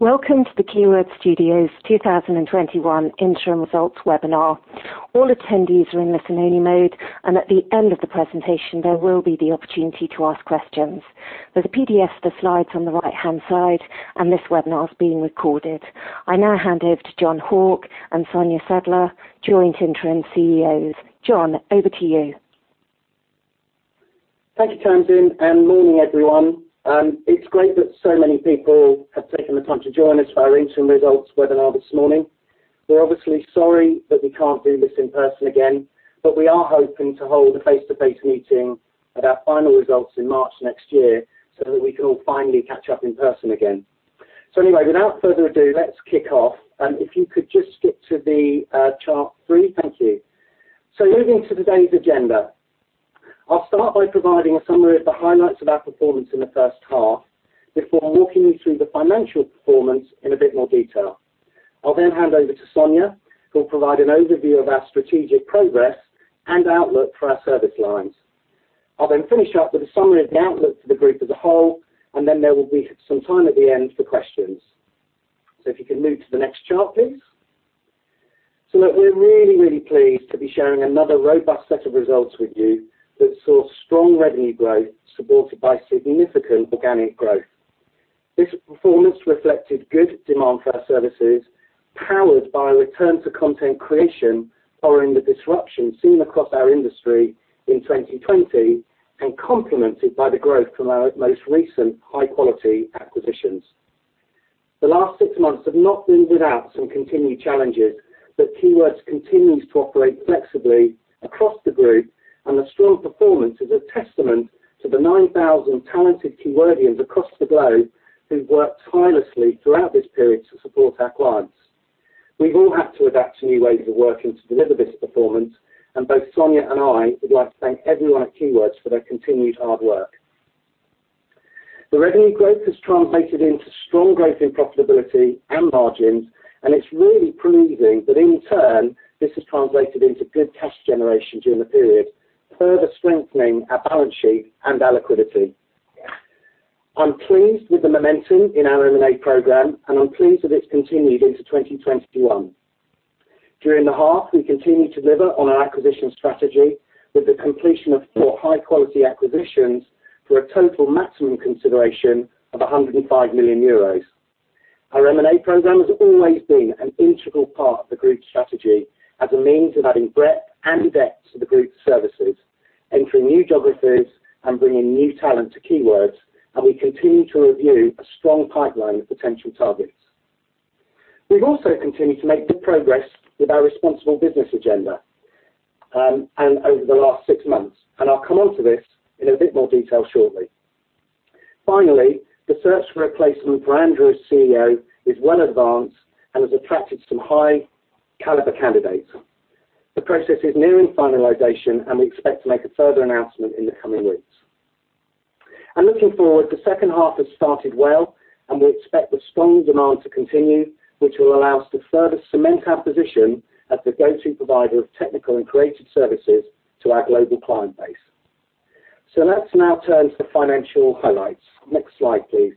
Welcome to the Keywords Studios 2021 interim results webinar. All attendees are in listen only mode, and at the end of the presentation, there will be the opportunity to ask questions. There's a PDF of the slides on the right-hand side. This webinar is being recorded. I now hand over to Jon Hauck and Sonia Sedler, joint interim CEOs. Jon, over to you. Thank you, Tamsin. Morning, everyone. It's great that so many people have taken the time to join us for our interim results webinar this morning. We're obviously sorry that we can't do this in person again. We are hoping to hold a face-to-face meeting at our final results in March next year, that we can all finally catch up in person again. Anyway, without further ado, let's kick off. If you could just skip to the chart three. Thank you. Moving to today's agenda. I'll start by providing a summary of the highlights of our performance in the first half before walking you through the financial performance in a bit more detail. I'll hand over to Sonia, who'll provide an overview of our strategic progress and outlook for our service lines. I'll then finish up with a summary of the outlook for the group as a whole, and then there will be some time at the end for questions. If you can move to the next chart, please. Look, we're really, really pleased to be sharing another robust set of results with you that saw strong revenue growth supported by significant organic growth. This performance reflected good demand for our services, powered by a return to content creation following the disruption seen across our industry in 2020, and complemented by the growth from our most recent high-quality acquisitions. The last six months have not been without some continued challenges, but Keywords continues to operate flexibly across the group, and the strong performance is a testament to the 9,000 talented Keywordians across the globe who've worked tirelessly throughout this period to support our clients. We've all had to adapt to new ways of working to deliver this performance, and both Sonia and I would like to thank everyone at Keywords for their continued hard work. The revenue growth has translated into strong growth in profitability and margins, and it's really pleasing that in turn, this has translated into good cash generation during the period, further strengthening our balance sheet and our liquidity. I'm pleased with the momentum in our M&A program, and I'm pleased that it's continued into 2021. During the half, we continued to deliver on our acquisition strategy with the completion of four high-quality acquisitions for a total maximum consideration of 105 million euros. Our M&A program has always been an integral part of the group's strategy as a means of adding breadth and depth to the group's services, entering new geographies and bringing new talent to Keywords, and we continue to review a strong pipeline of potential targets. We've also continued to make good progress with our responsible business agenda, and over the last six months, and I'll come on to this in a bit more detail shortly. Finally, the search for a replacement for Andrew as CEO is well advanced and has attracted some high caliber candidates. The process is nearing finalization, and we expect to make a further announcement in the coming weeks. Looking forward, the second half has started well, and we expect the strong demand to continue, which will allow us to further cement our position as the go-to provider of technical and creative services to our global client base. Let's now turn to the financial highlights. Next slide, please.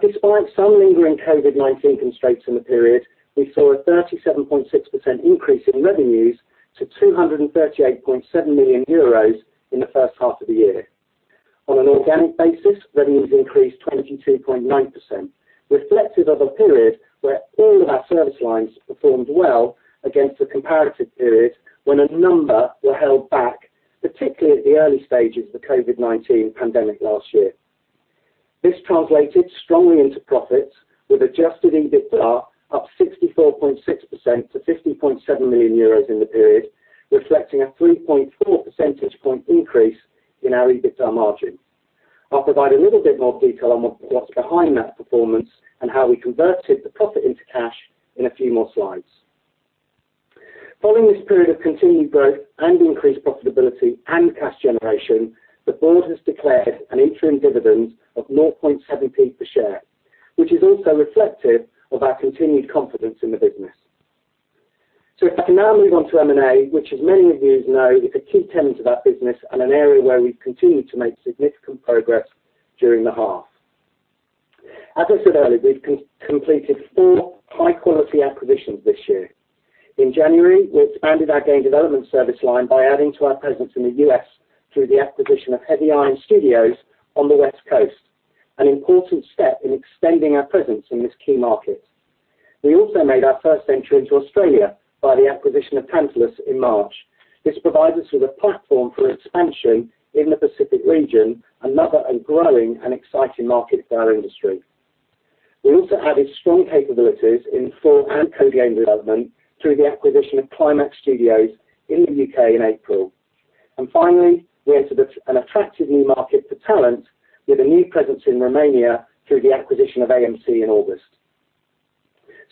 Despite some lingering COVID-19 constraints in the period, we saw a 37.6% increase in revenues to 238.7 million euros in the first half of the year. On an organic basis, revenues increased 22.9%, reflective of a period where all of our service lines performed well against the comparative period when a number were held back, particularly at the early stages of the COVID-19 pandemic last year. This translated strongly into profits, with adjusted EBITDA up 64.6% to 50.7 million euros in the period, reflecting a 3.4 percentage point increase in our EBITDA margin. I'll provide a little bit more detail on what's behind that performance and how we converted the profit into cash in a few more slides. Following this period of continued growth and increased profitability and cash generation, the board has declared an interim dividend of 0.007 per share, which is also reflective of our continued confidence in the business. If I can now move on to M&A, which as many of you know, is a key tenet of our business and an area where we've continued to make significant progress during the half. As I said earlier, we've completed four high-quality acquisitions this year. In January, we expanded our game development service line by adding to our presence in the U.S. through the acquisition of Heavy Iron Studios on the West Coast, an important step in extending our presence in this key market. We also made our first entry into Australia by the acquisition of Tantalus in March. This provides us with a platform for expansion in the Pacific region, another growing and exciting market for our industry. We also added strong capabilities in full and co-game development through the acquisition of Climax Studios in the U.K. in April. Finally, we entered an attractive new market for talent with a new presence in Romania through the acquisition of AMC in August.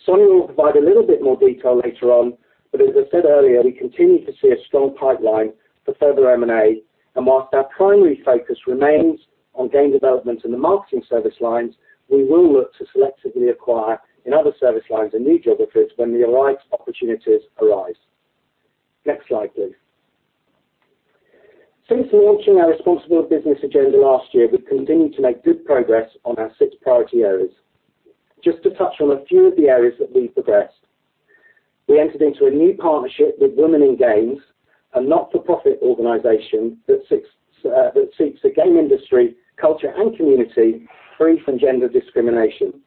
Sonia will provide a little bit more detail later on, but as I said earlier, we continue to see a strong pipeline for further M&A. Whilst our primary focus remains on game development in the marketing service lines, we will look to selectively acquire in other service lines and new geographies when the right opportunities arise. Next slide, please. Since launching our responsible business agenda last year, we've continued to make good progress on our six priority areas. Just to touch on a few of the areas that we've progressed. We entered into a new partnership with Women in Games, a not-for-profit organization that seeks a game industry, culture, and community free from gender discrimination.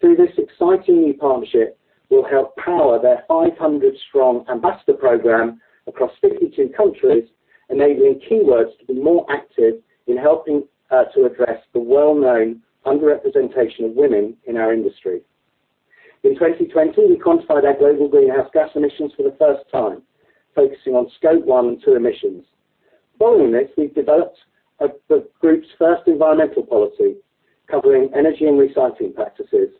Through this exciting new partnership, we'll help power their 500 strong ambassador program across 52 countries, enabling Keywords to be more active in helping to address the well-known underrepresentation of women in our industry. In 2020, we quantified our global greenhouse gas emissions for the first time, focusing on scope one and two emissions. Following this, we've developed the group's first environmental policy covering energy and recycling practices.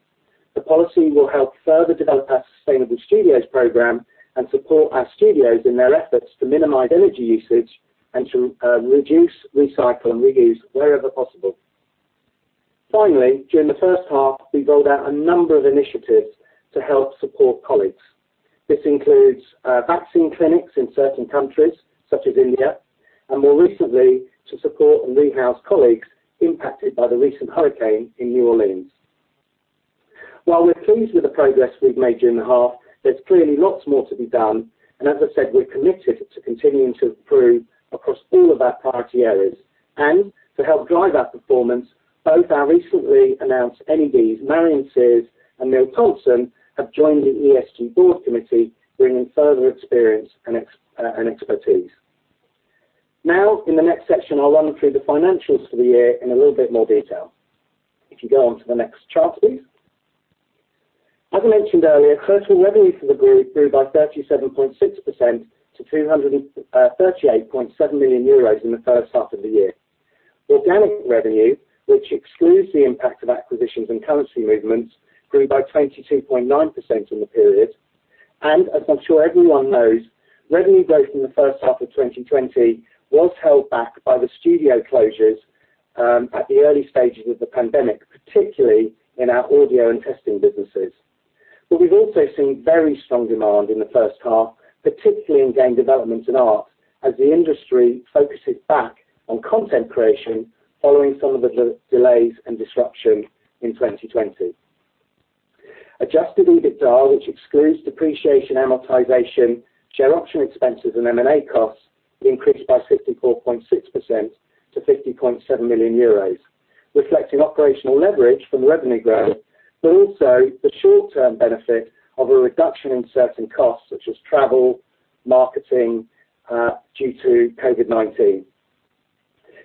The policy will help further develop our sustainable studios program and support our studios in their efforts to minimize energy usage and to reduce, recycle, and reuse wherever possible. Finally, during the first half, we rolled out a number of initiatives to help support colleagues. This includes vaccine clinics in certain countries, such as India, and more recently, to support and rehouse colleagues impacted by the recent hurricane in New Orleans. While we're pleased with the progress we've made during the half, there's clearly lots more to be done, and as I said, we're committed to continuing to improve across all of our priority areas. To help drive our performance, both our recently announced NEDs, Marion Sears and Neil Thompson, have joined the ESG board committee, bringing further experience and expertise. Now, in the next section, I'll run through the financials for the year in a little bit more detail. If you go on to the next chart, please. As I mentioned earlier, total revenue for the group grew by 37.6% to 238.7 million euros in the first half of the year. Organic revenue, which excludes the impact of acquisitions and currency movements, grew by 22.9% in the period. As I'm sure everyone knows, revenue growth in the first half of 2020 was held back by the studio closures at the early stages of the pandemic, particularly in our audio and testing businesses. We've also seen very strong demand in the first half, particularly in game development and art, as the industry focuses back on content creation following some of the delays and disruption in 2020. Adjusted EBITDA, which excludes depreciation, amortization, share option expenses, and M&A costs, increased by 64.6% to 50.7 million euros, reflecting operational leverage from the revenue growth, but also the short-term benefit of a reduction in certain costs, such as travel, marketing, due to COVID-19.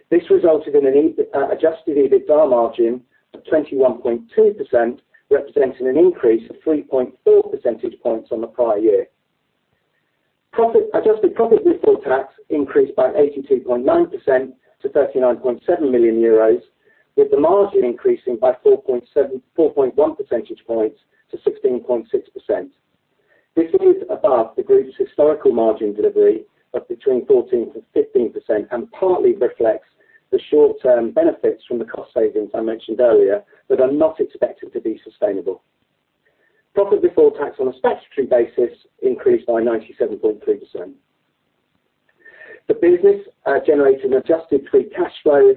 This resulted in an adjusted EBITDA margin of 21.2%, representing an increase of 3.4 percentage points on the prior year. Adjusted profit before tax increased by 82.9% to 39.7 million euros, with the margin increasing by 4.1 percentage points to 16.6%. This is above the group's historical margin delivery of between 14%-15% and partly reflects the short-term benefits from the cost savings I mentioned earlier that are not expected to be sustainable. Profit before tax on a statutory basis increased by 97.3%. The business generated an adjusted free cash flow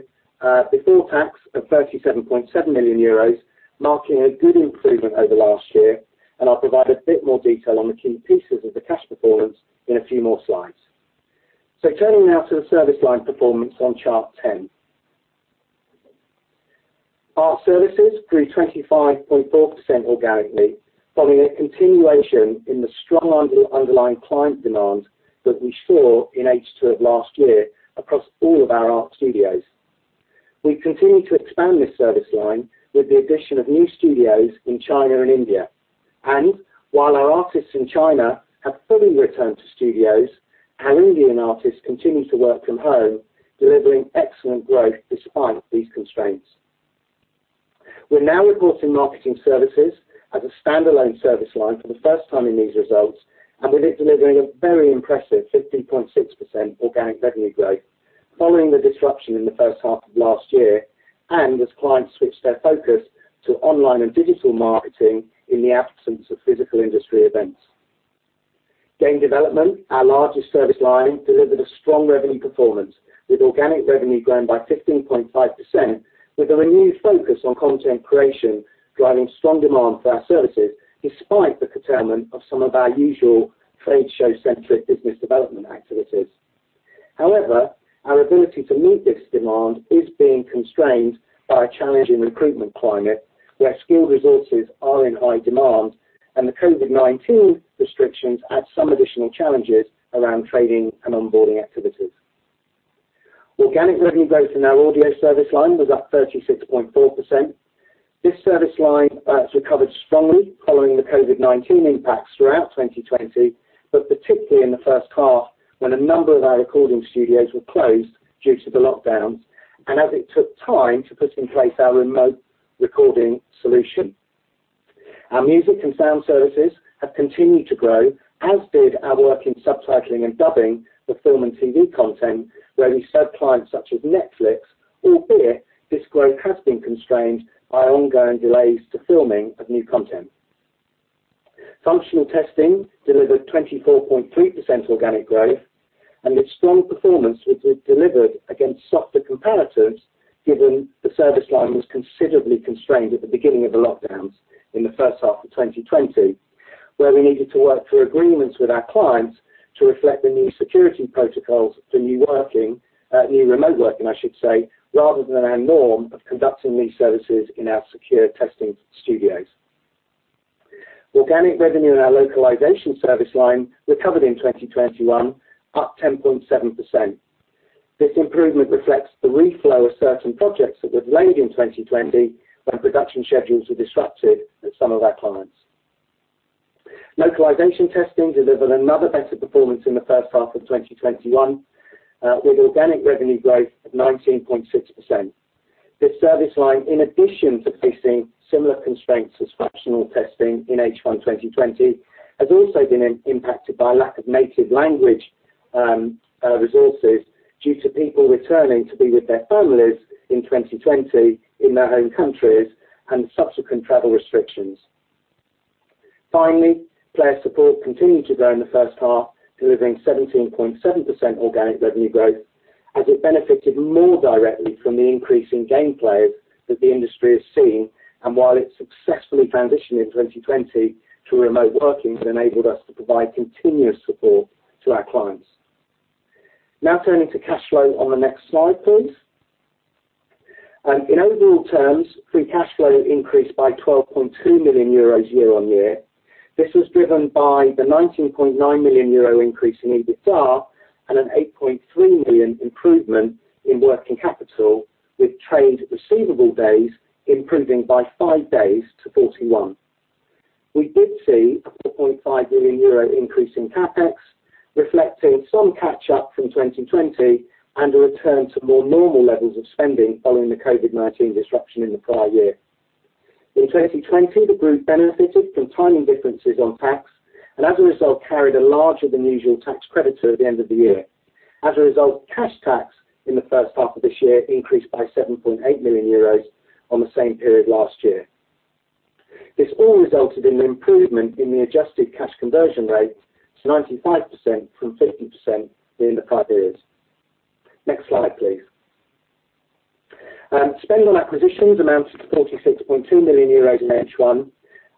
before tax of 37.7 million euros, marking a good improvement over last year, and I'll provide a bit more detail on the key pieces of the cash performance in a few more slides. Turning now to the service line performance on chart 10. Our services grew 25.4% organically, following a continuation in the strong underlying client demand that we saw in H2 of last year across all of our art studios. We continue to expand this service line with the addition of new studios in China and India. While our artists in China have fully returned to studios, our Indian artists continue to work from home, delivering excellent growth despite these constraints. We are now reporting marketing services as a standalone service line for the first time in these results, and with it delivering a very impressive 15.6% organic revenue growth following the disruption in the first half of last year and as clients switched their focus to online and digital marketing in the absence of physical industry events. Game development, our largest service line, delivered a strong revenue performance, with organic revenue growing by 15.5%, with a renewed focus on content creation driving strong demand for our services despite the curtailment of some of our usual trade show-centric business development activities. However, our ability to meet this demand is being constrained by a challenging recruitment climate, where skilled resources are in high demand and the COVID-19 restrictions add some additional challenges around training and onboarding activities. Organic revenue growth in our audio service line was up 36.4%. This service line has recovered strongly following the COVID-19 impacts throughout 2020, but particularly in the first half, when a number of our recording studios were closed due to the lockdowns and as it took time to put in place our remote recording solution. Our music and sound services have continued to grow, as did our work in subtitling and dubbing for film and TV content released by clients such as Netflix, albeit this growth has been constrained by ongoing delays to filming of new content. Its strong performance was delivered against softer comparatives, given the service line was considerably constrained at the beginning of the lockdowns in the first half of 2020, where we needed to work through agreements with our clients to reflect the new security protocols for new working, new remote working, I should say, rather than our norm of conducting these services in our secure testing studios. Organic revenue in our localization service line recovered in 2021, up 10.7%. This improvement reflects the reflow of certain projects that were delayed in 2020 when production schedules were disrupted at some of our clients. Localization testing delivered another better performance in the first half of 2021, with organic revenue growth of 19.6%. This service line, in addition to facing similar constraints as functional testing in H1 2020, has also been impacted by lack of native language resources due to people returning to be with their families in 2020 in their home countries and subsequent travel restrictions. Finally, player support continued to grow in the first half, delivering 17.7% organic revenue growth as it benefited more directly from the increase in game players that the industry has seen. While it successfully transitioned in 2020 to remote working, it enabled us to provide continuous support to our clients. Now turning to cash flow on the next slide, please. In overall terms, free cash flow increased by 12.2 million euros year on year. This was driven by the 19.9 million euro increase in EBITDA and an 8.3 million improvement in working capital, with trade receivable days improving by five days to 41. We did see a 4.5 million euro increase in CapEx, reflecting some catch-up from 2020 and a return to more normal levels of spending following the COVID-19 disruption in the prior year. In 2020, the group benefited from timing differences on tax and, as a result, carried a larger than usual tax credit at the end of the year. As a result, cash tax in the first half of this year increased by 7.8 million euros on the same period last year. This all resulted in an improvement in the adjusted cash conversion rate to 95% from 50% in the prior years. Next slide, please. Spend on acquisitions amounted to 46.2 million euros in H1,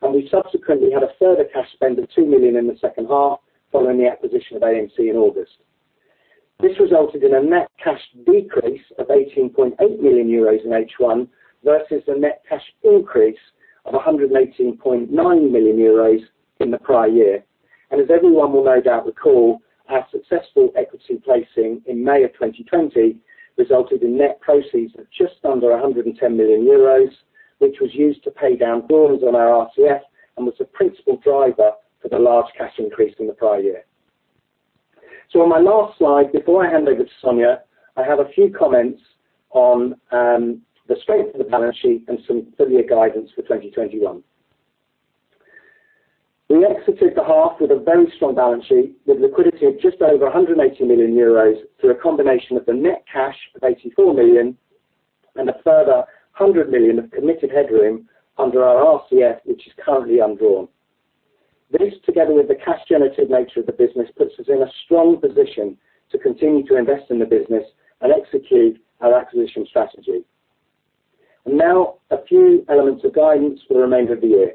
and we subsequently had a further cash spend of 2 million in the second half following the acquisition of AMC in August. This resulted in a net cash decrease of 18.8 million euros in H1 versus a net cash increase of 118.9 million euros in the prior year. As everyone will no doubt recall, our successful equity placing in May of 2020 resulted in net proceeds of just under 110 million euros, which was used to pay down loans on our RCF and was the principal driver for the large cash increase in the prior year. On my last slide, before I hand over to Sonia, I have a few comments on the strength of the balance sheet and some full year guidance for 2021. We exited the half with a very strong balance sheet with liquidity of just over 180 million euros through a combination of the net cash of 84 million and a further 100 million of committed headroom under our RCF, which is currently undrawn. This, together with the cash generative nature of the business, puts us in a strong position to continue to invest in the business and execute our acquisition strategy. Now a few elements of guidance for the remainder of the year.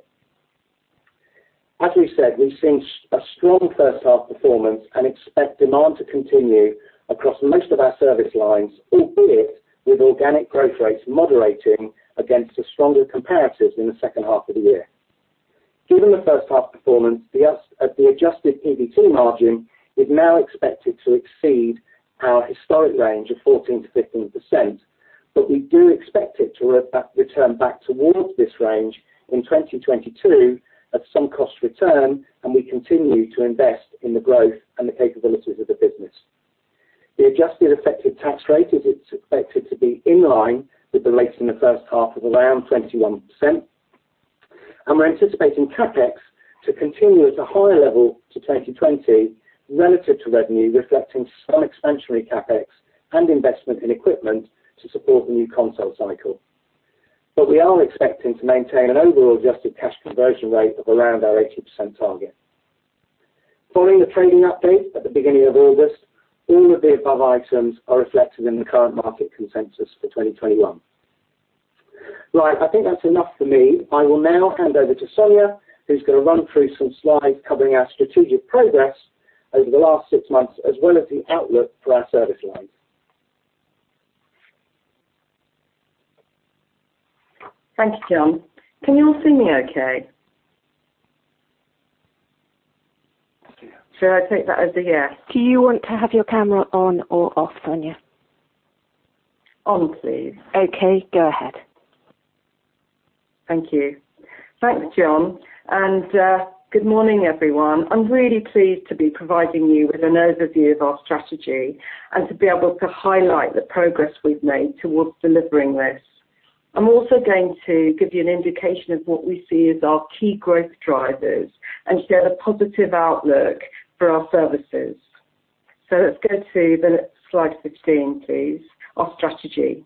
As we said, we've seen a strong first half performance and expect demand to continue across most of our service lines, albeit with organic growth rates moderating against the stronger comparatives in the second half of the year. Given the first half performance, the adjusted PBT margin is now expected to exceed our historic range of 14%-15%. We do expect it to return back towards this range in 2022 as some costs return, and we continue to invest in the growth and the capabilities of the business. The adjusted effective tax rate is expected to be in line with the rates in the first half of around 21%. We're anticipating CapEx to continue at a higher level to 2020 relative to revenue, reflecting some expansionary CapEx and investment in equipment to support the new console cycle. We are expecting to maintain an overall adjusted cash conversion rate of around our 80% target. Following the trading update at the beginning of August, all of the above items are reflected in the current market consensus for 2021. Right. I think that's enough for me. I will now hand over to Sonia, who's going to run through some slides covering our strategic progress over the last six months as well as the outlook for our service lines. Thank you, Jon. Can you all see me okay? Yeah. Should I take that as a yes? Do you want to have your camera on or off, Sonia? On, please. Okay, go ahead. Thank you. Thanks, Jon. Good morning, everyone. I'm really pleased to be providing you with an overview of our strategy and to be able to highlight the progress we've made towards delivering this. I'm also going to give you an indication of what we see as our key growth drivers and share the positive outlook for our services. Let's go to slide 15, please. Our strategy.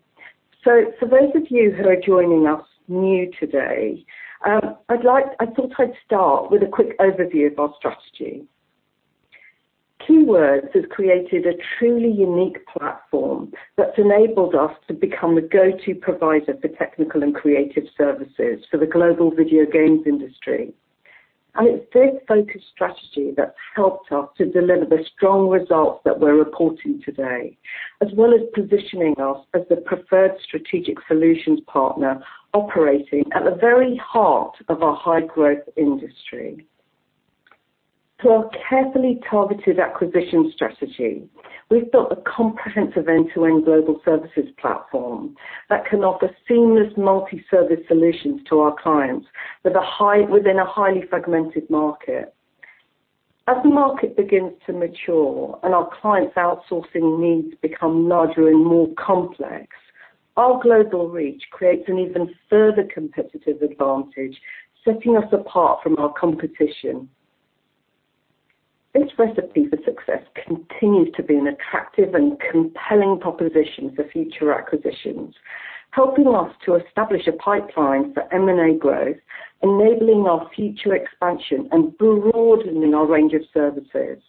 For those of you who are joining us new today, I thought I'd start with a quick overview of our strategy. Keywords has created a truly unique platform that's enabled us to become the go-to provider for technical and creative services for the global video games industry. It's this focused strategy that's helped us to deliver the strong results that we're reporting today, as well as positioning us as the preferred strategic solutions partner operating at the very heart of our high-growth industry. Through our carefully targeted acquisition strategy, we've built a comprehensive end-to-end global services platform that can offer seamless multi-service solutions to our clients within a highly fragmented market. As the market begins to mature and our clients outsourcing needs become larger and more complex, our global reach creates an even further competitive advantage, setting us apart from our competition. This recipe for success continues to be an attractive and compelling proposition for future acquisitions, helping us to establish a pipeline for M&A growth, enabling our future expansion and broadening our range of services.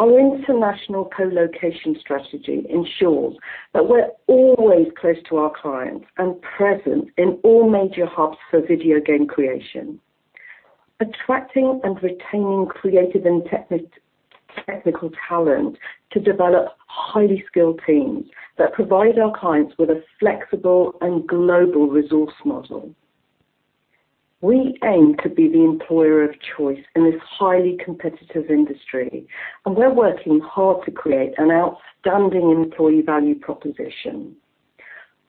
Our international co-location strategy ensures that we're always close to our clients and present in all major hubs for video game creation. Attracting and retaining creative and technical talent to develop highly skilled teams that provide our clients with a flexible and global resource model. We aim to be the employer of choice in this highly competitive industry, and we're working hard to create an outstanding employee value proposition.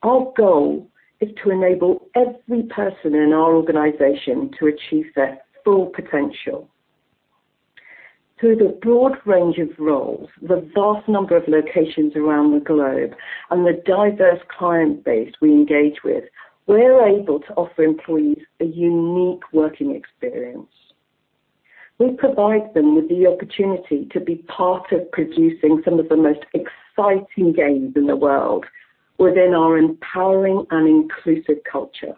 Our goal is to enable every person in our organization to achieve their full potential. Through the broad range of roles, the vast number of locations around the globe, and the diverse client base we engage with, we're able to offer employees a unique working experience. We provide them with the opportunity to be part of producing some of the most exciting games in the world within our empowering and inclusive culture.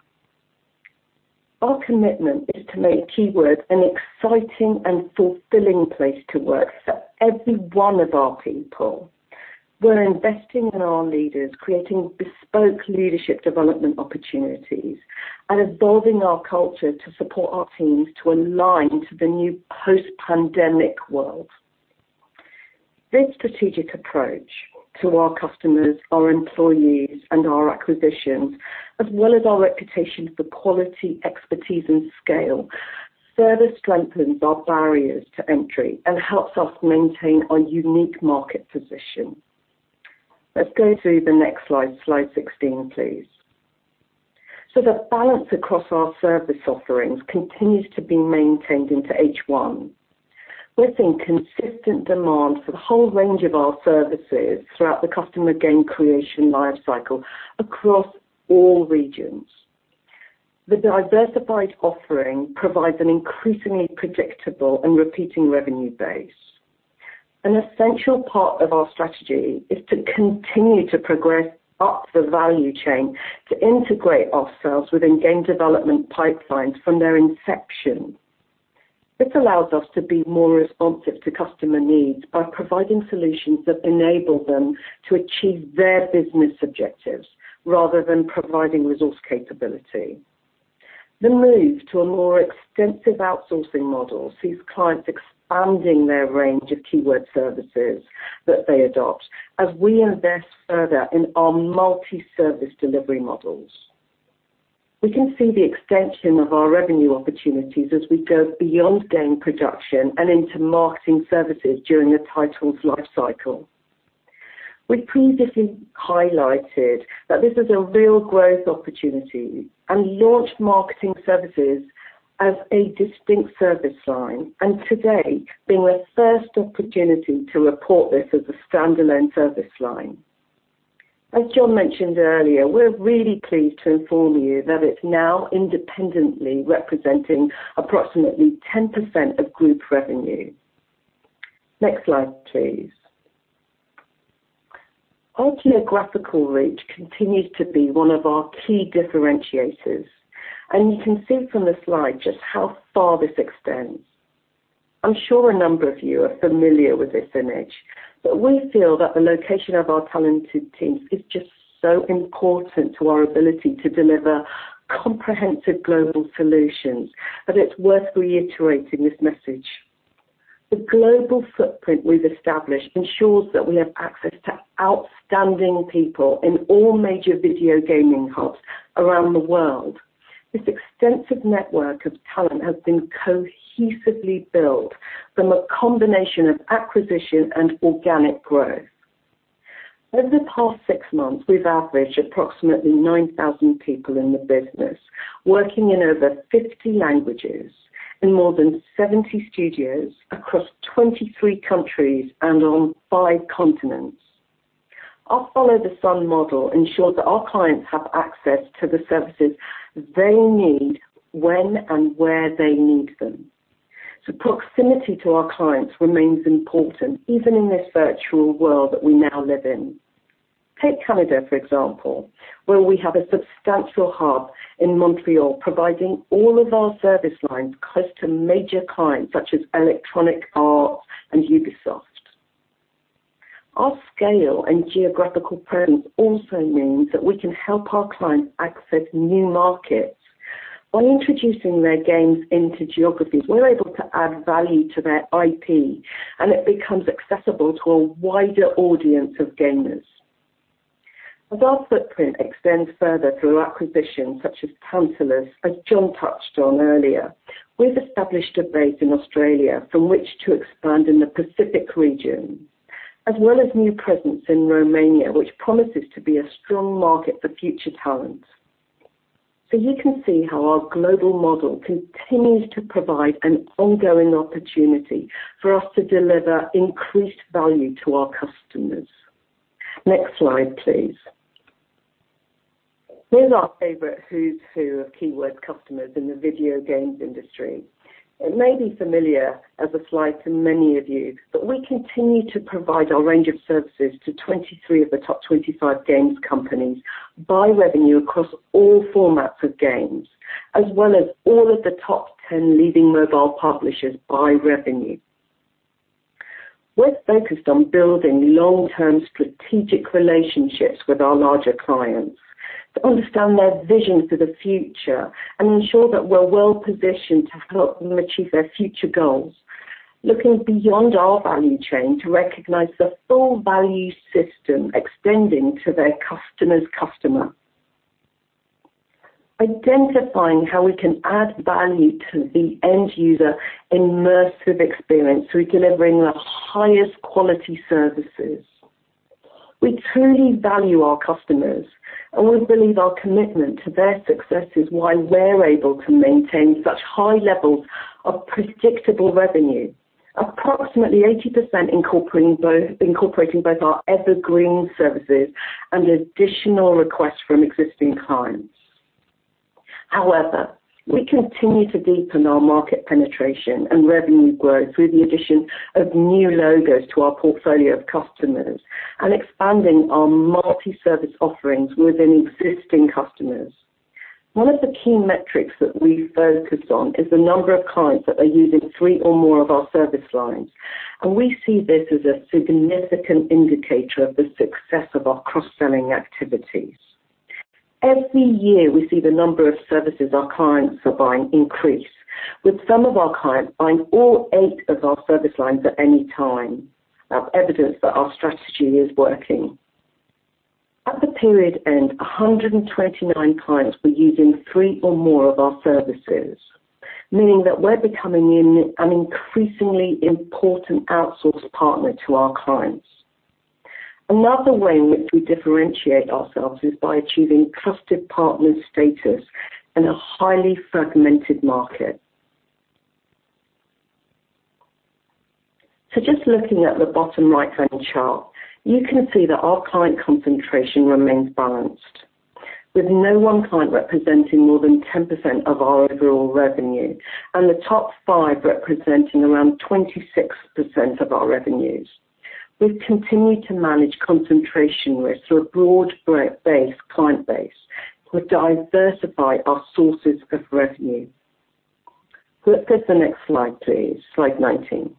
Our commitment is to make Keywords an exciting and fulfilling place to work for every one of our people. We're investing in our leaders, creating bespoke leadership development opportunities, and evolving our culture to support our teams to align to the new post-pandemic world. This strategic approach to our customers, our employees, and our acquisitions, as well as our reputation for quality, expertise, and scale, further strengthens our barriers to entry and helps us maintain our unique market position. Let's go to the next slide 16, please. The balance across our service offerings continues to be maintained into H1. We're seeing consistent demand for the whole range of our services throughout the customer game creation life cycle across all regions. The diversified offering provides an increasingly predictable and repeating revenue base. An essential part of our strategy is to continue to progress up the value chain to integrate ourselves within game development pipelines from their inception. This allows us to be more responsive to customer needs by providing solutions that enable them to achieve their business objectives rather than providing resource capability. The move to a more extensive outsourcing model sees clients expanding their range of Keywords services that they adopt as we invest further in our multi-service delivery models. We can see the extension of our revenue opportunities as we go beyond game production and into marketing services during a title's life cycle. We previously highlighted that this is a real growth opportunity and launched marketing services as a distinct service line, and today being the first opportunity to report this as a standalone service line. As Jon mentioned earlier, we're really pleased to inform you that it's now independently representing approximately 10% of group revenue. Next slide, please. Our geographical reach continues to be one of our key differentiators, and you can see from the slide just how far this extends. I'm sure a number of you are familiar with this image, but we feel that the location of our talented teams is just so important to our ability to deliver comprehensive global solutions, that it's worth reiterating this message. The global footprint we've established ensures that we have access to outstanding people in all major video gaming hubs around the world. This extensive network of talent has been cohesively built from a combination of acquisition and organic growth. Over the past six months, we've averaged approximately 9,000 people in the business, working in over 50 languages in more than 70 studios across 23 countries and on five continents. Our follow the sun model ensures that our clients have access to the services they need when and where they need them. Proximity to our clients remains important, even in this virtual world that we now live in. Take Canada, for example, where we have a substantial hub in Montreal providing all of our service lines close to major clients such as Electronic Arts and Ubisoft. Our scale and geographical presence also means that we can help our clients access new markets. By introducing their games into geographies, we're able to add value to their IP, and it becomes accessible to a wider audience of gamers. As our footprint extends further through acquisitions such as Tantalus, as Jon touched on earlier, we've established a base in Australia from which to expand in the Pacific region, as well as new presence in Romania, which promises to be a strong market for future talent. You can see how our global model continues to provide an ongoing opportunity for us to deliver increased value to our customers. Next slide, please. Here's our favorite who's who of Keywords customers in the video games industry. It may be familiar as a slide to many of you, but we continue to provide our range of services to 23 of the top 25 games companies by revenue across all formats of games, as well as all of the top 10 leading mobile publishers by revenue. We're focused on building long-term strategic relationships with our larger clients to understand their vision for the future and ensure that we're well-positioned to help them achieve their future goals. Looking beyond our value chain to recognize the full value system extending to their customer's customer. Identifying how we can add value to the end user immersive experience through delivering the highest quality services. We truly value our customers, and we believe our commitment to their success is why we're able to maintain such high levels of predictable revenue. Approximately 80% incorporating both our evergreen services and additional requests from existing clients. However, we continue to deepen our market penetration and revenue growth through the addition of new logos to our portfolio of customers and expanding our multi-service offerings within existing customers. One of the key metrics that we focus on is the number of clients that are using three or more of our service lines. We see this as a significant indicator of the success of our cross-selling activities. Every year, we see the number of services our clients are buying increase, with some of our clients buying all eight of our service lines at any time. That's evidence that our strategy is working. At the period end, 129 clients were using three or more of our services, meaning that we're becoming an increasingly important outsource partner to our clients. Another way in which we differentiate ourselves is by achieving trusted partner status in a highly fragmented market. Just looking at the bottom right-hand chart, you can see that our client concentration remains balanced, with no one client representing more than 10% of our overall revenue and the top five representing around 26% of our revenues. We've continued to manage concentration risk through a broad base, client base to diversify our sources of revenue. Can we look at the next slide, please? Slide 19.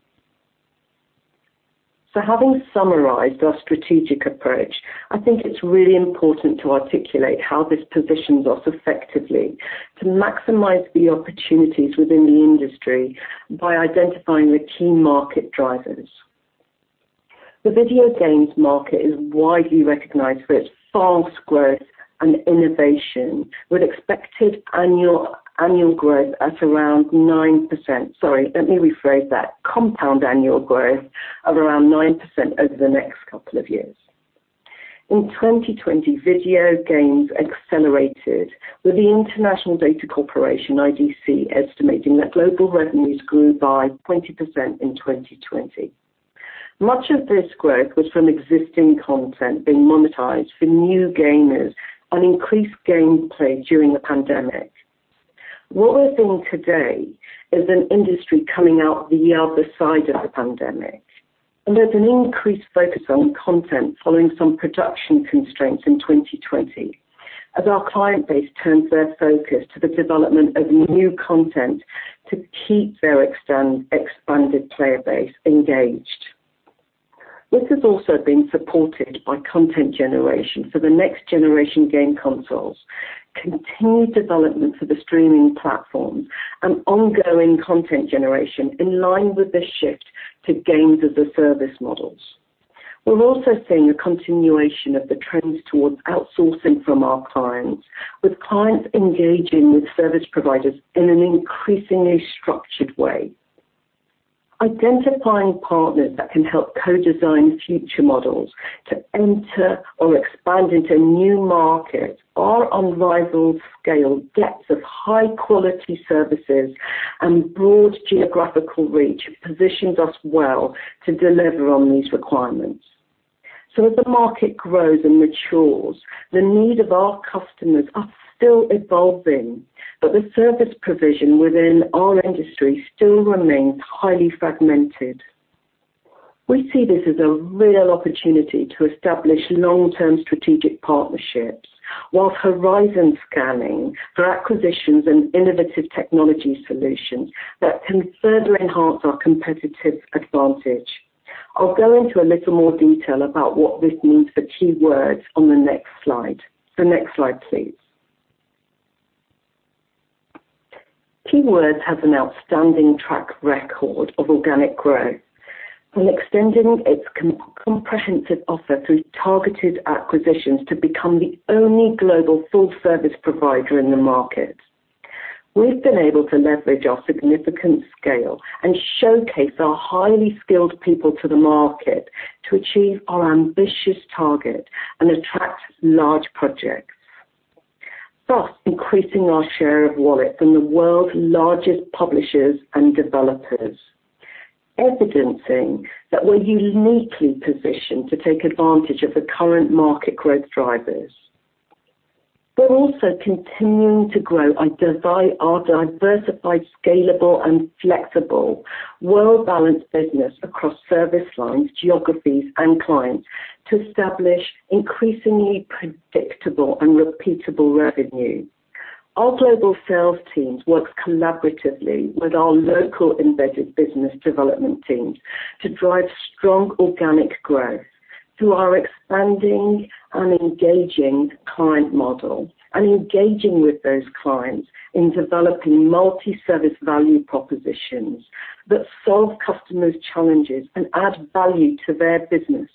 Having summarized our strategic approach, I think it's really important to articulate how this positions us effectively to maximize the opportunities within the industry by identifying the key market drivers. The video games market is widely recognized for its fast growth and innovation, with expected annual growth at around 9%. Sorry, let me rephrase that. Compound annual growth of around 9% over the next couple of years. In 2020, video games accelerated with the International Data Corporation, IDC, estimating that global revenues grew by 20% in 2020. Much of this growth was from existing content being monetized for new gamers and increased gameplay during the pandemic. What we're seeing today is an industry coming out the other side of the pandemic, and there's an increased focus on content following some production constraints in 2020 as our client base turns their focus to the development of new content to keep their expanded player base engaged. This has also been supported by content generation for the next-generation game consoles, continued development for the streaming platform, and ongoing content generation in line with the shift to games as a service models. We're also seeing a continuation of the trends towards outsourcing from our clients, with clients engaging with service providers in an increasingly structured way. Identifying partners that can help co-design future models to enter or expand into new markets are unrivaled scale, depths of high-quality services, and broad geographical reach positions us well to deliver on these requirements. As the market grows and matures, the need of our customers are still evolving, but the service provision within our industry still remains highly fragmented. We see this as a real opportunity to establish long-term strategic partnerships whilst horizon scanning for acquisitions and innovative technology solutions that can further enhance our competitive advantage. I'll go into a little more detail about what this means for Keywords on the next slide. Next slide, please. Keywords has an outstanding track record of organic growth. From extending its comprehensive offer through targeted acquisitions to become the only global full-service provider in the market. We've been able to leverage our significant scale and showcase our highly skilled people to the market to achieve our ambitious target and attract large projects, thus increasing our share of wallet from the world's largest publishers and developers, evidencing that we're uniquely positioned to take advantage of the current market growth drivers. We're also continuing to grow our diversified, scalable, and flexible world-balanced business across service lines, geographies, and clients to establish increasingly predictable and repeatable revenue. Our global sales teams work collaboratively with our local embedded business development teams to drive strong organic growth through our expanding and engaging client model and engaging with those clients in developing multi-service value propositions that solve customers' challenges and add value to their business.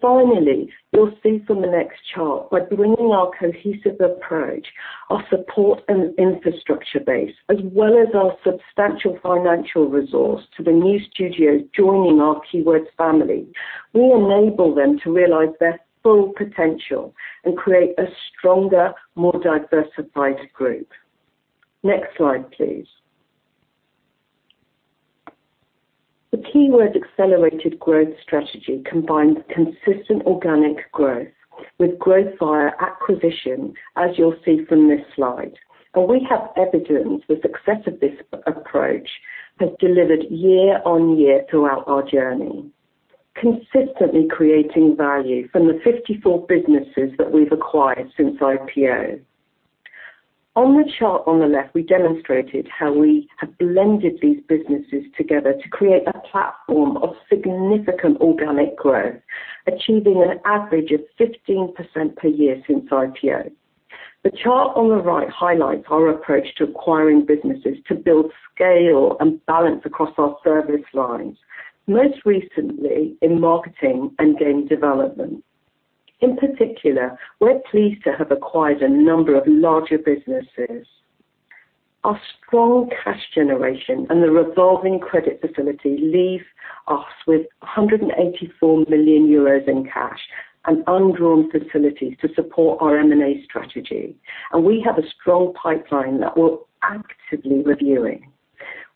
Finally, you'll see from the next chart, by bringing our cohesive approach, our support and infrastructure base, as well as our substantial financial resource to the new studios joining our Keywords family, we enable them to realize their full potential and create a stronger, more diversified group. Next slide, please. The Keywords accelerated growth strategy combines consistent organic growth with growth via acquisition, as you'll see from this slide. We have evidence the success of this approach has delivered year-on-year throughout our journey, consistently creating value from the 54 businesses that we've acquired since IPO. On the chart on the left, we demonstrated how we have blended these businesses together to create a platform of significant organic growth, achieving an average of 15% per year since IPO. The chart on the right highlights our approach to acquiring businesses to build scale and balance across our service lines, most recently in marketing and game development. In particular, we're pleased to have acquired a number of larger businesses. Our strong cash generation and the revolving credit facility leave us with 184 million euros in cash and undrawn facilities to support our M&A strategy. We have a strong pipeline that we're actively reviewing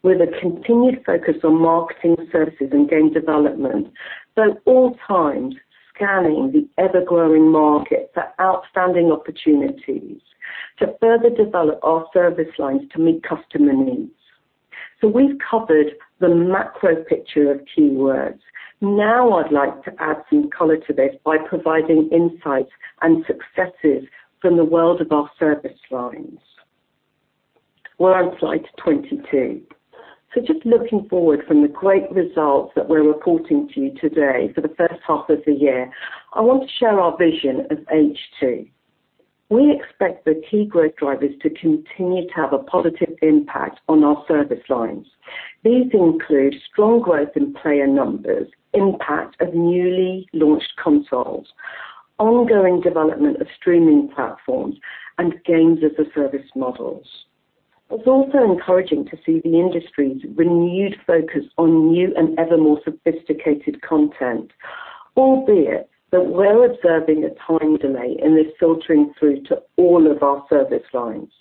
with a continued focus on marketing services and game development, but at all times scanning the ever-growing market for outstanding opportunities to further develop our service lines to meet customer needs. We've covered the macro picture of Keywords. Now I'd like to add some color to this by providing insights and successes from the world of our service lines. We're on slide 22. Just looking forward from the great results that we're reporting to you today for the first half of the year, I want to share our vision of H2. We expect the key growth drivers to continue to have a positive impact on our service lines. These include strong growth in player numbers, impact of newly launched consoles, ongoing development of streaming platforms, and games as a service models. It's also encouraging to see the industry's renewed focus on new and ever more sophisticated content, albeit that we're observing a time delay in this filtering through to all of our service lines.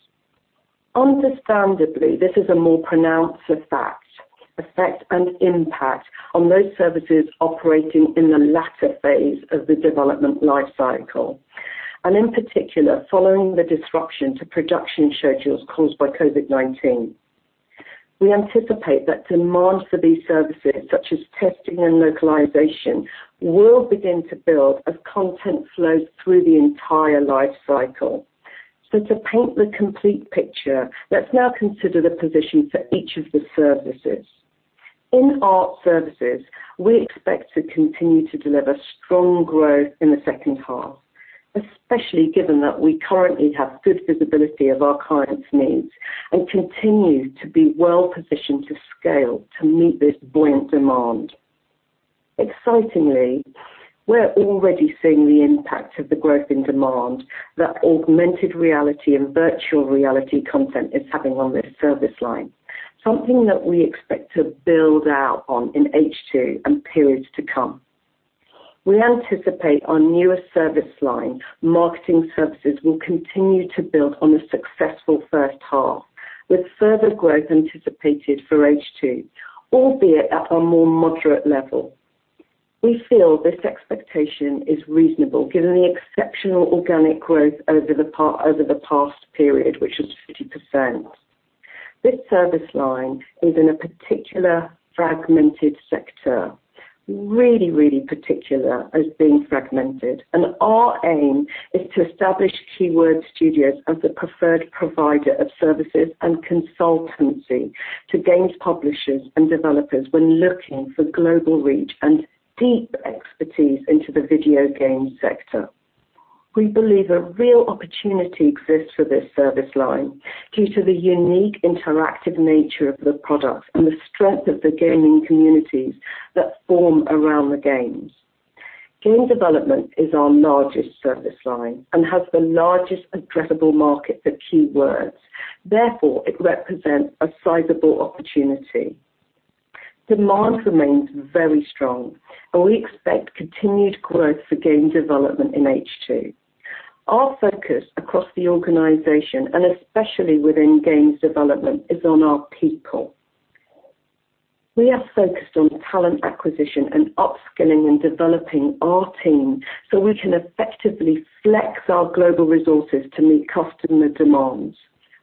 Understandably, this is a more pronounced effect and impact on those services operating in the latter phase of the development life cycle. In particular, following the disruption to production schedules caused by COVID-19. We anticipate that demand for these services, such as testing and localization, will begin to build as content flows through the entire life cycle. To paint the complete picture, let's now consider the position for each of the services. In Art Services, we expect to continue to deliver strong growth in the second half, especially given that we currently have good visibility of our clients' needs and continue to be well-positioned to scale to meet this buoyant demand. Excitingly, we're already seeing the impact of the growth in demand that augmented reality and virtual reality content is having on this service line, something that we expect to build out on in H2 and periods to come. We anticipate our newest service line, Marketing Services, will continue to build on a successful first half, with further growth anticipated for H2, albeit at a more moderate level. We feel this expectation is reasonable given the exceptional organic growth over the past period, which was 50%. This service line is in a particular fragmented sector, really, really particular as being fragmented. Our aim is to establish Keywords Studios as the preferred provider of services and consultancy to games publishers and developers when looking for global reach and deep expertise into the video games sector. We believe a real opportunity exists for this service line due to the unique interactive nature of the product and the strength of the gaming communities that form around the games. Game development is our largest service line and has the largest addressable market for Keywords. Therefore, it represents a sizable opportunity. Demand remains very strong, and we expect continued growth for game development in H2. Our focus across the organization, and especially within games development, is on our people. We are focused on talent acquisition and upskilling and developing our team so we can effectively flex our global resources to meet customer demands,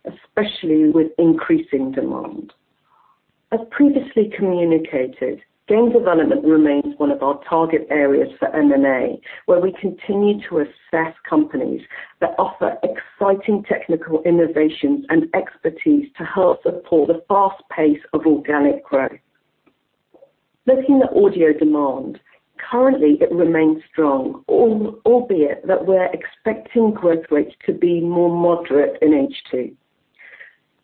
especially with increasing demand. As previously communicated, game development remains one of our target areas for M&A, where we continue to assess companies that offer exciting technical innovations and expertise to help support the fast pace of organic growth. Looking at audio demand. Currently, it remains strong, albeit that we're expecting growth rates to be more moderate in H2.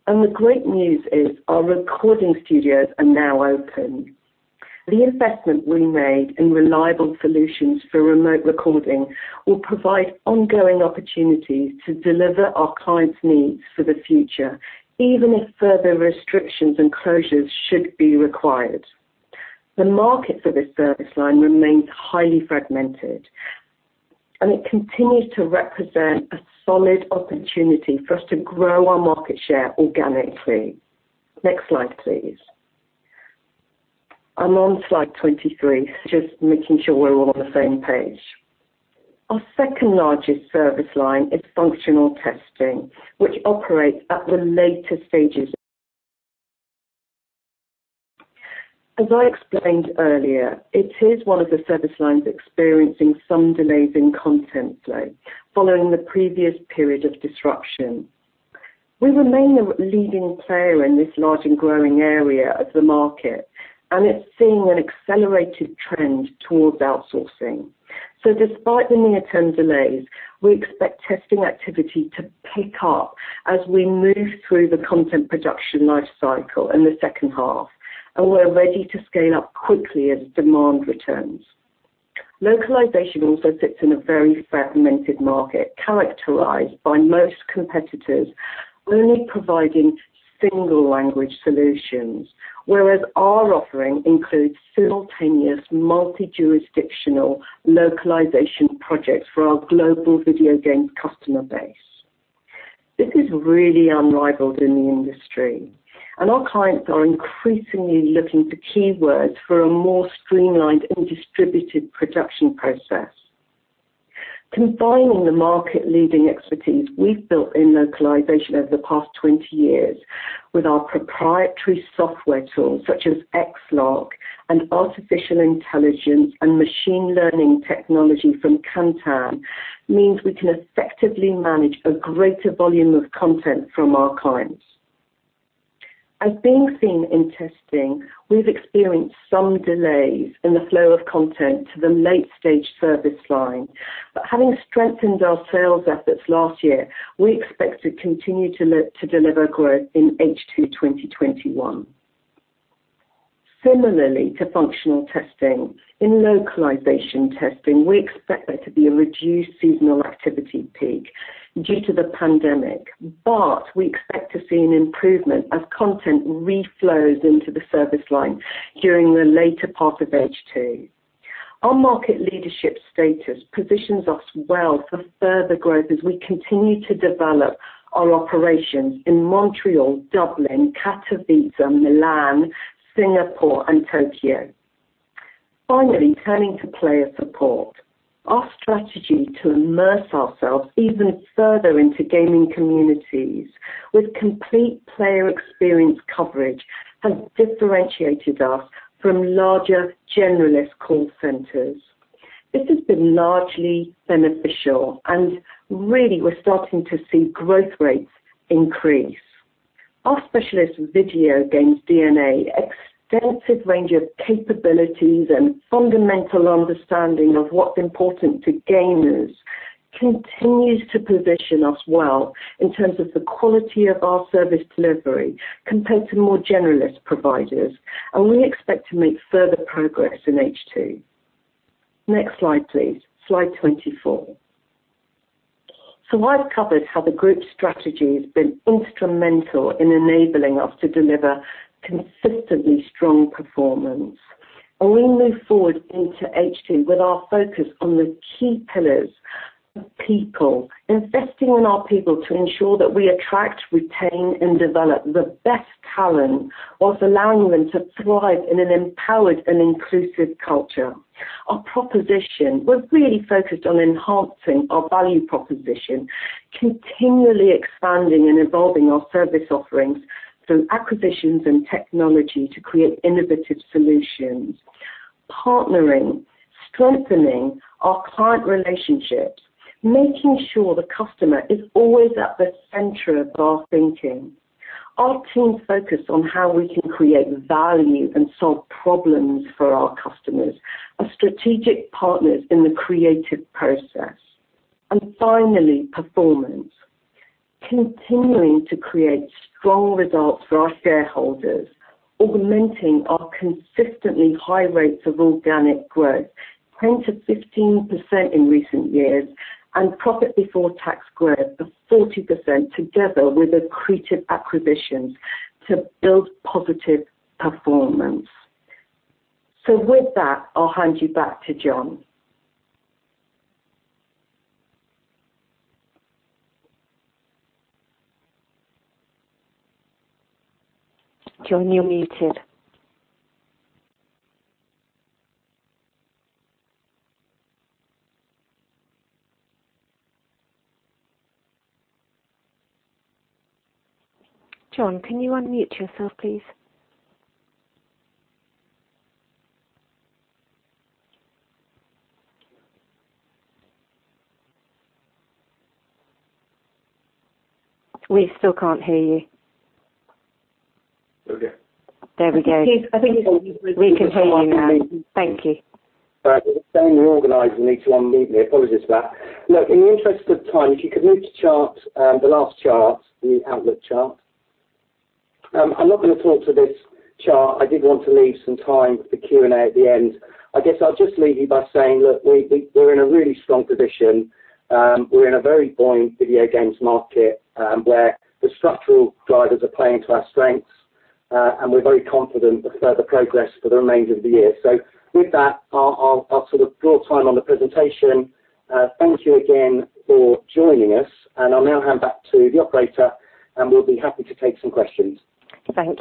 The great news is our recording studios are now open. The investment we made in reliable solutions for remote recording will provide ongoing opportunities to deliver our clients' needs for the future, even if further restrictions and closures should be required. The market for this service line remains highly fragmented. It continues to represent a solid opportunity for us to grow our market share organically. Next slide, please. I'm on slide 23, just making sure we're all on the same page. Our second-largest service line is functional testing, which operates at the later stages. As I explained earlier, it is one of the service lines experiencing some delays in content flow following the previous period of disruption. We remain the leading player in this large and growing area of the market. It's seeing an accelerated trend towards outsourcing. Despite the near-term delays, we expect testing activity to pick up as we move through the content production life cycle in the second half. We're ready to scale up quickly as demand returns. Localization also sits in a very fragmented market characterized by most competitors only providing single language solutions, whereas our offering includes simultaneous multi-jurisdictional localization projects for our global video games customer base. This is really unrivaled in the industry, and our clients are increasingly looking to Keywords for a more streamlined and distributed production process. Combining the market-leading expertise we've built in localization over the past 20 years with our proprietary software tools such as XLOC and artificial intelligence and machine learning technology from Kantan means we can effectively manage a greater volume of content from our clients. As being seen in testing, we've experienced some delays in the flow of content to the late-stage service line. Having strengthened our sales efforts last year, we expect to continue to deliver growth in H2 2021. Similarly to functional testing, in localization testing, we expect there to be a reduced seasonal activity peak due to the pandemic. We expect to see an improvement as content reflows into the service line during the later part of H2. Our market leadership status positions us well for further growth as we continue to develop our operations in Montreal, Dublin, Katowice, Milan, Singapore, and Tokyo. Finally, turning to player support. Our strategy to immerse ourselves even further into gaming communities with complete player experience coverage has differentiated us from larger generalist call centers. This has been largely beneficial and really we're starting to see growth rates increase. Our specialist video games DNA, extensive range of capabilities, and fundamental understanding of what's important to gamers continues to position us well in terms of the quality of our service delivery compared to more generalist providers, and we expect to make further progress in H2. Next slide, please. Slide 24. I've covered how the group strategy has been instrumental in enabling us to deliver consistently strong performance. We move forward into H2 with our focus on the key pillars. People. Investing in our people to ensure that we attract, retain, and develop the best talent whilst allowing them to thrive in an empowered and inclusive culture. Our proposition. We're really focused on enhancing our value proposition, continually expanding and evolving our service offerings through acquisitions and technology to create innovative solutions. Partnering. Strengthening our client relationships, making sure the customer is always at the center of our thinking. Our team focus on how we can create value and solve problems for our customers are strategic partners in the creative process. Finally, performance. Continuing to create strong results for our shareholders, augmenting our consistently high rates of organic growth, 20%-15% in recent years, and profit before tax growth of 40% together with accretive acquisitions to build positive performance. With that, I'll hand you back to Jon. Jon, you're muted. Jon, can you unmute yourself, please? We still can't hear you. We're good. There we go. I think. We can hear you now. Thank you. All right. It was saying the organizer needs to unmute me. Apologies for that. Look, in the interest of time, if you could move to chart, the last chart, the outlook chart. I'm not gonna talk to this chart. I did want to leave some time for Q&A at the end. I guess I'll just leave you by saying, look, we're in a really strong position. We're in a very buoyant video games market, where the structural drivers are playing to our strengths, and we're very confident of further progress for the remainder of the year. With that, I'll sort of draw time on the presentation. Thank you again for joining us, and I'll now hand back to the operator, and we'll be happy to take some questions. We'll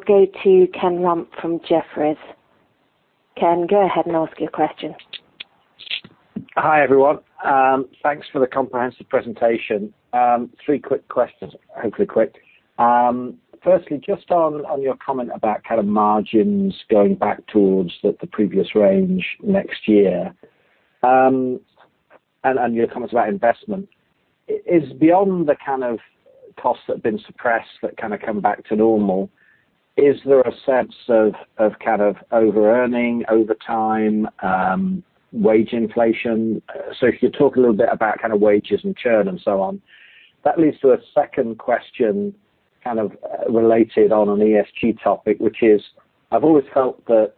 go to Ken Rumph from Jefferies. Ken, go ahead and ask your question. Hi, everyone. Thanks for the comprehensive presentation. Three quick questions. Hopefully quick. Firstly, just on your comment about kind of margins going back towards the previous range next year, and your comments about investment. Is beyond the kind of costs that have been suppressed that kinda come back to normal, is there a sense of kind of overearning, overtime, wage inflation? If you could talk a little bit about kind of wages and churn and so on. That leads to a second question, kind of related on an ESG topic, which is I've always felt that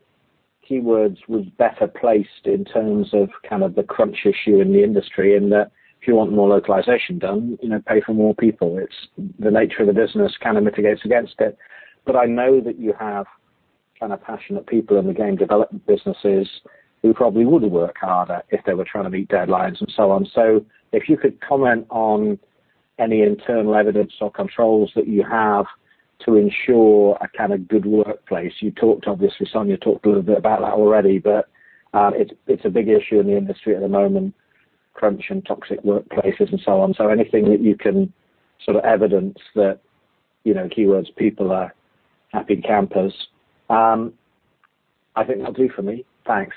Keywords was better placed in terms of kind of the crunch issue in the industry, and that if you want more localization done, you know, pay for more people. It's the nature of the business kinda mitigates against it. I know that you have kinda passionate people in the game development businesses who probably would work harder if they were trying to meet deadlines and so on. If you could comment on any internal evidence or controls that you have to ensure a kinda good workplace. You talked, obviously, Sonia talked a little bit about that already, but it's a big issue in the industry at the moment, crunch and toxic workplaces and so on. Anything that you can sort of evidence that, you know, Keywords people are happy campers, I think that'll do for me. Thanks.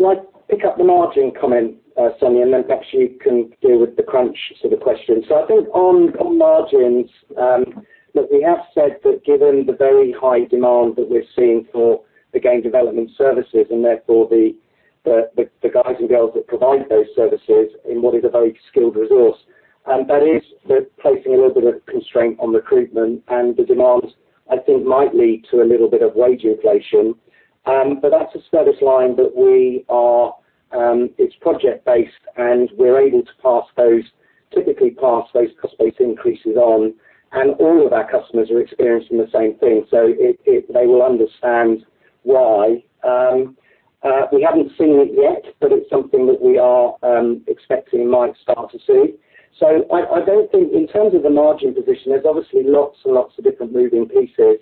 I pick up the margin comment, Sonia, perhaps you can deal with the crunch sort of question. I think on margins, look, we have said that given the very high demand that we're seeing for the game development services and therefore the guys and girls that provide those services in what is a very skilled resource, that is placing a little bit of constraint on recruitment and the demand I think might lead to a little bit of wage inflation. That's a service line that we are. It's project-based, we're able to typically pass those cost-based increases on, all of our customers are experiencing the same thing, so they will understand why. We haven't seen it yet, it's something that we are expecting might start to see. I don't think in terms of the margin position, there's obviously lots and lots of different moving pieces.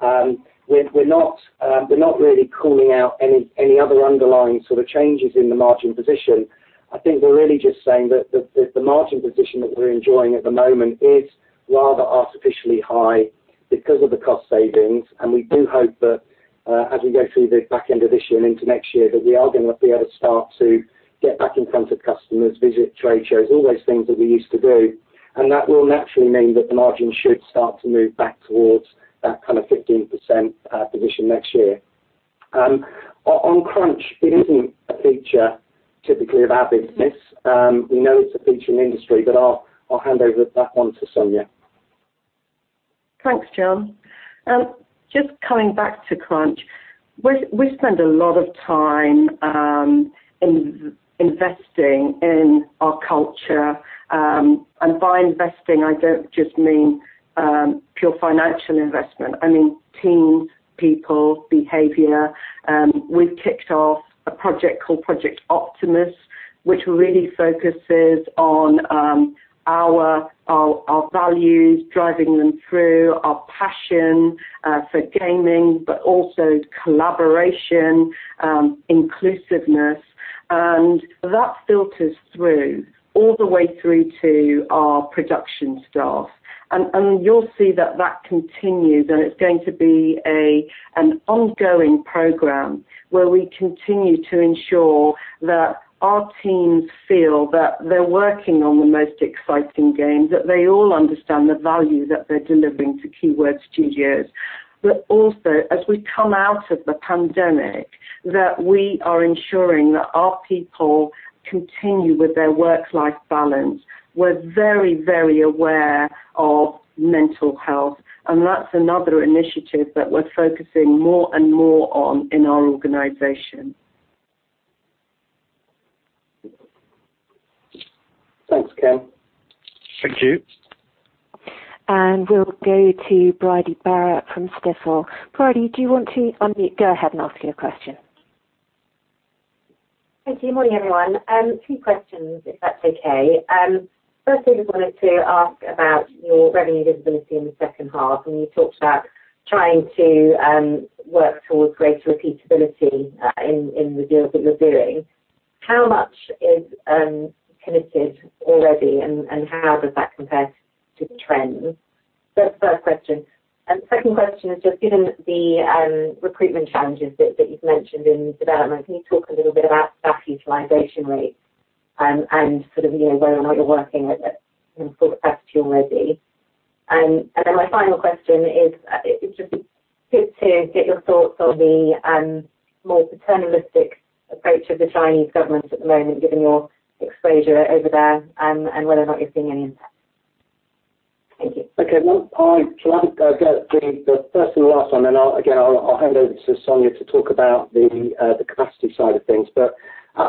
We're, we're not, we're not really calling out any other underlying sort of changes in the margin position. I think we're really just saying that the margin position that we're enjoying at the moment is rather artificially high because of the cost savings. We do hope that, as we go through the back end of this year and into next year, that we are gonna be able to start to get back in front of customers, visit trade shows, all those things that we used to do. That will naturally mean that the margin should start to move back towards that kind of 15% position next year. On, on crunch, it isn't a feature typically of our business. We know it's a feature in industry, but I'll hand over that one to Sonia. Thanks, Jon. Just coming back to crunch, we spend a lot of time investing in our culture. By investing, I don't just mean pure financial investment. I mean teams, people, behavior. We've kicked off a project called Project Optimus, which really focuses on our values, driving them through our passion for gaming, but also collaboration, inclusiveness. That filters through all the way through to our production staff. You'll see that that continues, and it's going to be an ongoing program where we continue to ensure that our teams feel that they're working on the most exciting games, that they all understand the value that they're delivering to Keywords Studios. Also, as we come out of the pandemic, that we are ensuring that our people continue with their work-life balance. We're very, very aware of mental health, and that's another initiative that we're focusing more and more on in our organization. Thanks, Ken. Thank you. We'll go to Bridie Barrett from Stifel. Bridie, do you want to unmute? Go ahead and ask your question. Thank you. Morning, everyone. Two questions, if that's okay. First, I just wanted to ask about your revenue visibility in the second half. I mean, you talked about trying to work towards greater repeatability in the deals that you're doing. How much is committed already, and how does that compare to the trend? That's the first question. Second question is just given the recruitment challenges that you've mentioned in development, can you talk a little bit about staff utilization rates, and sort of, you know, whether or not you're working at sort of capacity already? My final question is, it would just be good to get your thoughts on the more paternalistic approach of the Chinese government at the moment, given your exposure over there, and whether or not you're seeing any impact. Thank you. Okay. Well, I'll go the first and last one, and I'll again hand over to Sonia to talk about the capacity side of things.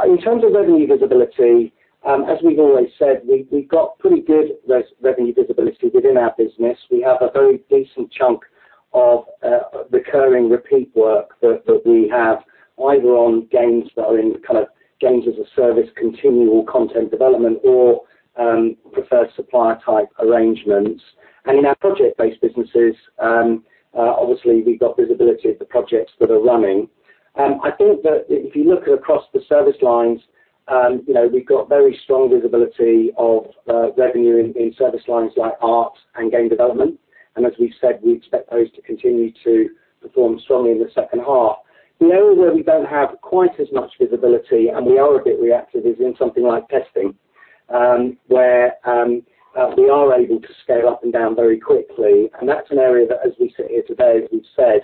In terms of revenue visibility, as we've always said, we've got pretty good revenue visibility within our business. We have a very decent chunk of recurring repeat work that we have either on games that are in kind of games as a service, continual content development or preferred supplier type arrangements. In our project-based businesses, obviously, we've got visibility of the projects that are running. I think that if you look across the service lines, you know, we've got very strong visibility of revenue in service lines like art and game development. As we've said, we expect those to continue to perform strongly in the second half. The area where we don't have quite as much visibility, and we are a bit reactive, is in something like testing, where we are able to scale up and down very quickly. That's an area that, as we sit here today, as we've said,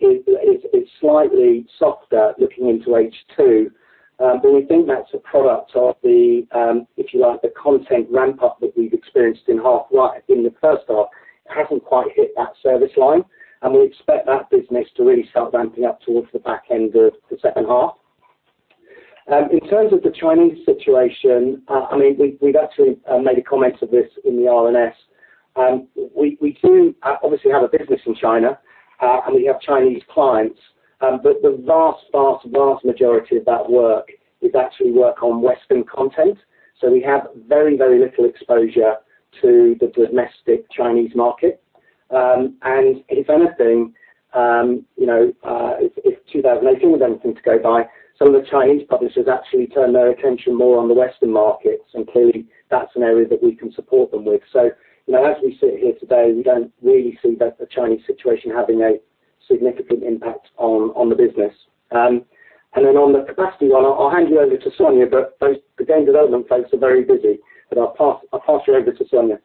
is slightly softer looking into H2. We think that's a product of the, if you like, the content ramp-up that we've experienced in the first half. It hasn't quite hit that service line, and we expect that business to really start ramping up towards the back end of the second half. In terms of the Chinese situation, I mean, we've actually made a comment of this in the RNS. We do obviously have a business in China and we have Chinese clients. The vast, vast majority of that work is actually work on Western content, so we have very, very little exposure to the domestic Chinese market. If anything, you know, if 2018 is anything to go by, some of the Chinese publishers actually turn their attention more on the Western markets, and clearly that's an area that we can support them with. You know, as we sit here today, we don't really see the Chinese situation having a significant impact on the business. On the capacity one, I'll hand you over to Sonia, but the game development folks are very busy, but I'll pass you over to Sonia.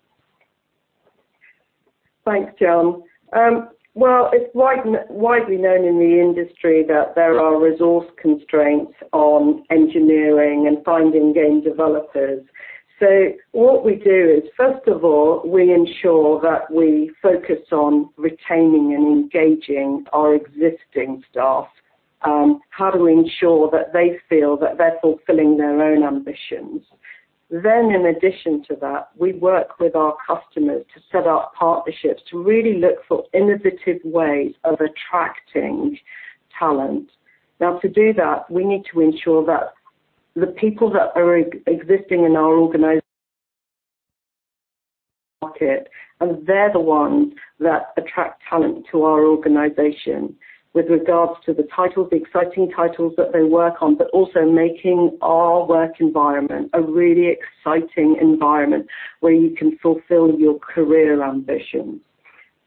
Thanks, Jon. It's widely known in the industry that there are resource constraints on engineering and finding game developers. What we do is, first of all, we ensure that we focus on retaining and engaging our existing staff, how do we ensure that they feel that they're fulfilling their own ambitions. In addition to that, we work with our customers to set up partnerships to really look for innovative ways of attracting talent. To do that, we need to ensure that the people that are existing in our market, and they're the ones that attract talent to our organization with regards to the titles, the exciting titles that they work on, but also making our work environment a really exciting environment where you can fulfill your career ambitions.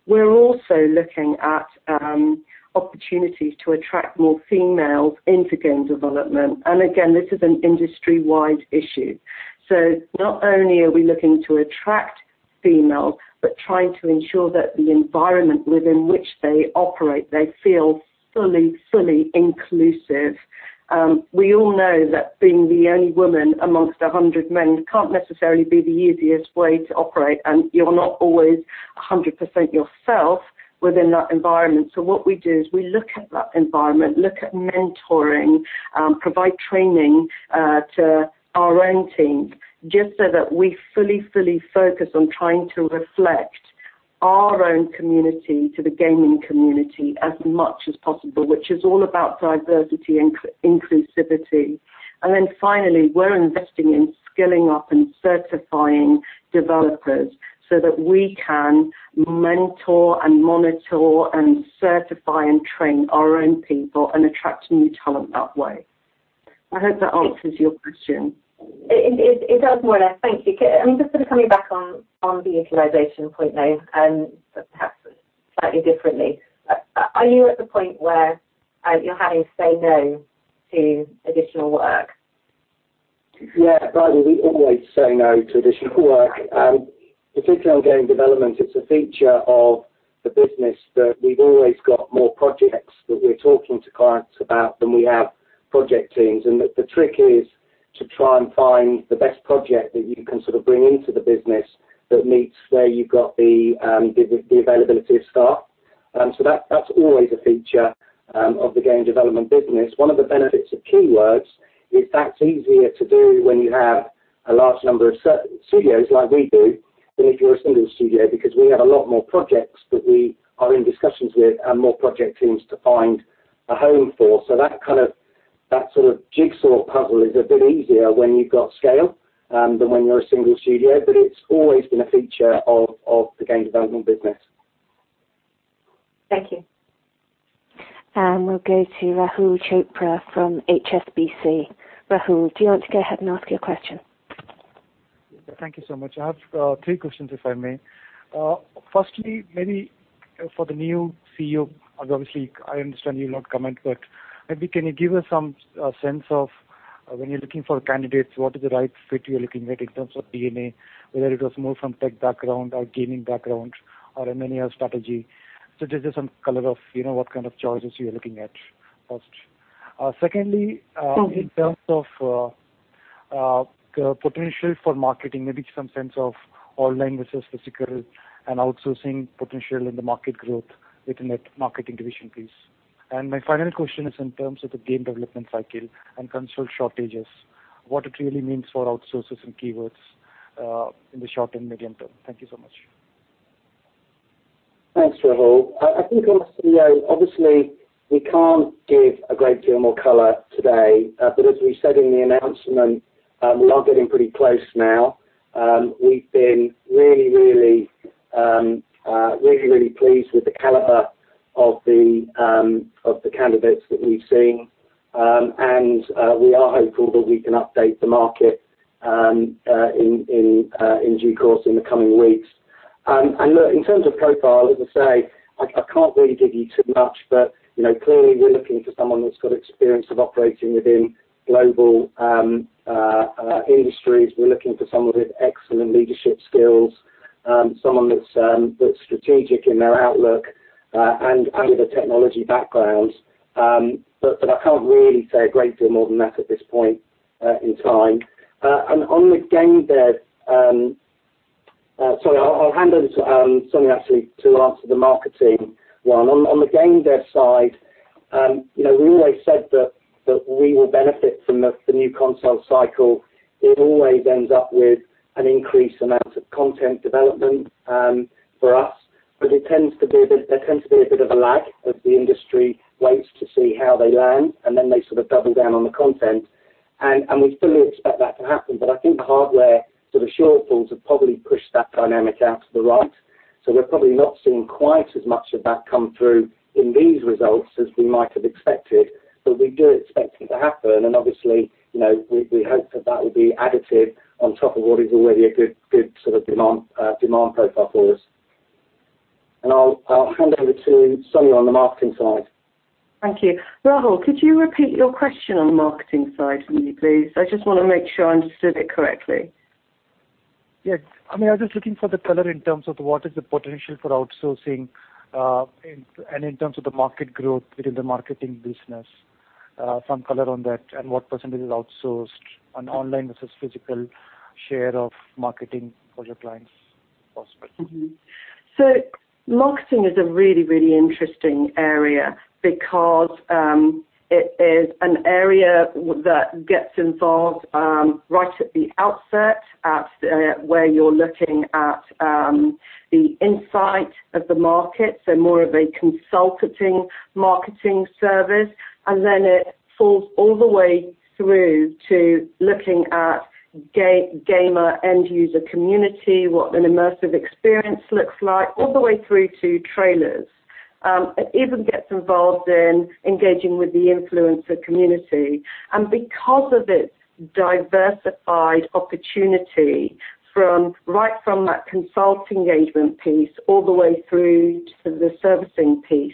We're also looking at opportunities to attract more females into game development. Again, this is an industry-wide issue. Not only are we looking to attract female, but trying to ensure that the environment within which they operate, they feel fully inclusive. We all know that being the only woman amongst a 100 men can't necessarily be the easiest way to operate, and you're not always a 100% yourself within that environment. What we do is we look at that environment, look at mentoring, provide training to our own teams, just so that we fully focus on trying to reflect our own community to the gaming community as much as possible, which is all about diversity and inclusivity. Finally, we're investing in skilling up and certifying developers so that we can mentor and monitor and certify and train our own people and attract new talent that way. I hope that answers your question. It does, more or less. Thank you. Can I mean, just sort of coming back on the utilization point now, but perhaps slightly differently. Are you at the point where you're having to say no to additional work? Yeah, Bridie, we always say no to additional work. Particularly on game development, it's a feature of the business that we've always got more projects that we're talking to clients about than we have project teams, and the trick is to try and find the best project that you can sort of bring into the business that meets where you've got the availability of staff. That's always a feature of the game development business. One of the benefits of Keywords is that's easier to do when you have a large number of studios like we do than if you're a single studio, because we have a lot more projects that we are in discussions with and more project teams to find a home for. That kind of, that sort of jigsaw puzzle is a bit easier when you've got scale than when you're a single studio. It's always been a feature of the game development business. Thank you. We'll go to Rahul Chopra from HSBC. Rahul, do you want to go ahead and ask your question? Thank you so much. I have three questions, if I may. Firstly, maybe for the new CEO, obviously I understand you'll not comment, but maybe can you give us some sense of when you're looking for candidates, what is the right fit you're looking at in terms of DNA, whether it was more from tech background or gaming background or M&A strategy. Just give some color of, you know, what kind of choices you're looking at first. Secondly, Sure in terms of potential for marketing, maybe some sense of online versus physical and outsourcing potential in the market growth within that marketing division, please. My final question is in terms of the game development cycle and console shortages, what it really means for outsources and Keywords in the short and medium term. Thank you so much. Thanks, Rahul. I think on the CEO, obviously we can't give a great deal more color today. As we said in the announcement, we are getting pretty close now. We've been really, really pleased with the caliber of the candidates that we've seen. We are hopeful that we can update the market in due course in the coming weeks. Look, in terms of profile, as I say, I can't really give you too much, but, you know, clearly we're looking for someone that's got experience of operating within global industries. We're looking for someone with excellent leadership skills, someone that's strategic in their outlook, and with a technology background. I can't really say a great deal more than that at this point in time. On the game dev, sorry, I'll hand over to Sonia actually to answer the marketing one. On the game dev side, you know, we always said that we will benefit from the new console cycle. It always ends up with an increased amount of content development for us, but it tends to be a bit of a lag as the industry waits to see how they land, and then they sort of double down on the content. We fully expect that to happen. I think the hardware sort of shortfalls have probably pushed that dynamic out to the right. We're probably not seeing quite as much of that come through in these results as we might have expected. We do expect it to happen and obviously, you know, we hope that that will be additive on top of what is already a good sort of demand profile for us. I'll hand over to Sonia on the marketing side. Thank you. Rahul, could you repeat your question on the marketing side for me, please? I just want to make sure I understood it correctly. Yeah. I mean, I was just looking for the color in terms of what is the potential for outsourcing, and in terms of the market growth within the marketing business. Some color on that and what percentage is outsourced and online versus physical share of marketing for your clients, if possible. Marketing is a really interesting area because it is an area that gets involved right at the outset at where you're looking at the insight of the market, so more of a consulting marketing service. Then it falls all the way through to looking at gamer end user community, what an immersive experience looks like, all the way through to trailers. It even gets involved in engaging with the influencer community. Because of its diversified opportunity from, right from that consult engagement piece all the way through to the servicing piece.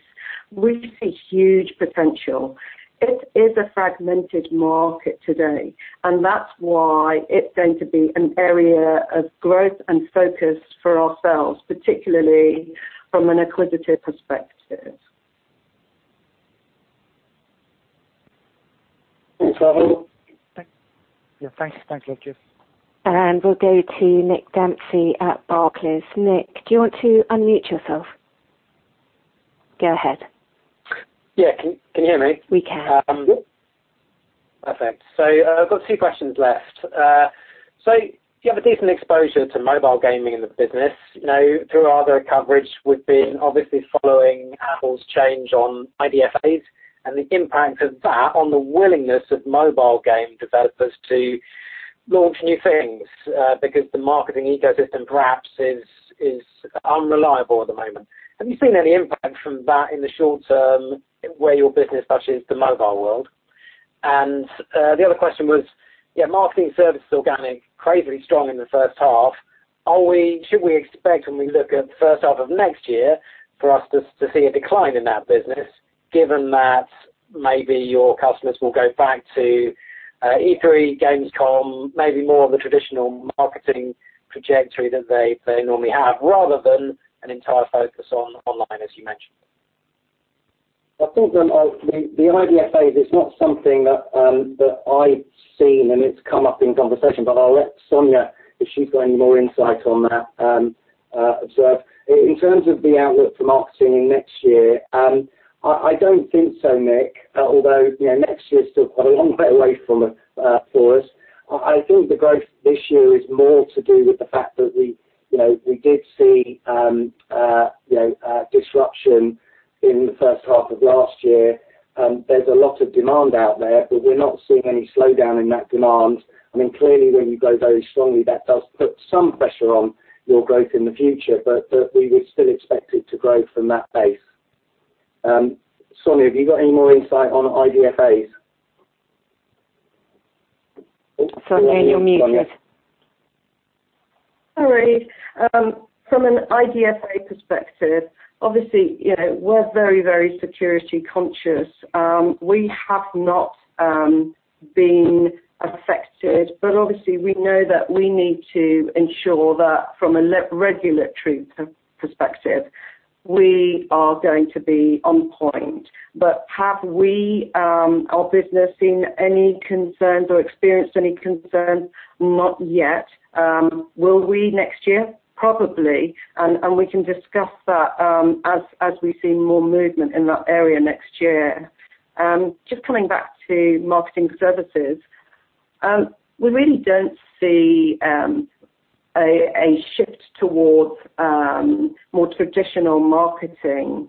We see huge potential. It is a fragmented market today, that's why it's going to be an area of growth and focus for ourselves, particularly from an acquisitive perspective. Thanks. Yeah. Thanks. Thanks, Rahul. We'll go to Nick Dempsey at Barclays. Nick, do you want to unmute yourself? Go ahead. Yeah. Can you hear me? We can. Perfect. I've got two questions left. You have a decent exposure to mobile gaming in the business. You know, through our other coverage, we've been obviously following Apple's change on IDFAs and the impact of that on the willingness of mobile game developers to launch new things, because the marketing ecosystem perhaps is unreliable at the moment. Have you seen any impact from that in the short term where your business touches the mobile world? The other question was, yeah, marketing services organic, crazily strong in the first half. Should we expect when we look at the first half of next year for us to see a decline in that business given that maybe your customers will go back to E3, Gamescom, maybe more of the traditional marketing trajectory that they normally have, rather than an entire focus on online, as you mentioned? I think the IDFA is not something that I've seen, and it's come up in conversation, but I'll let Sonia if she's got any more insight on that. In terms of the outlook for marketing next year, I don't think so, Nick, although, you know, next year's still quite a long way away from it for us. I think the growth this year is more to do with the fact that we, you know, we did see, you know, disruption in the first half of last year. There's a lot of demand out there, we're not seeing any slowdown in that demand. I mean, clearly, when you grow very strongly, that does put some pressure on your growth in the future, we would still expect it to grow from that base. Sonia, have you got any more insight on IDFAs? Sonia, you're muted. Sorry. From an IDFA perspective, obviously, you know, we're very, very security conscious. We have not been affected, obviously we know that we need to ensure that from a re-regulatory perspective, we are going to be on point. Have we, our business seen any concerns or experienced any concerns? Not yet. Will we next year? Probably. We can discuss that as we see more movement in that area next year. Just coming back to marketing services, we really don't see a shift towards more traditional marketing.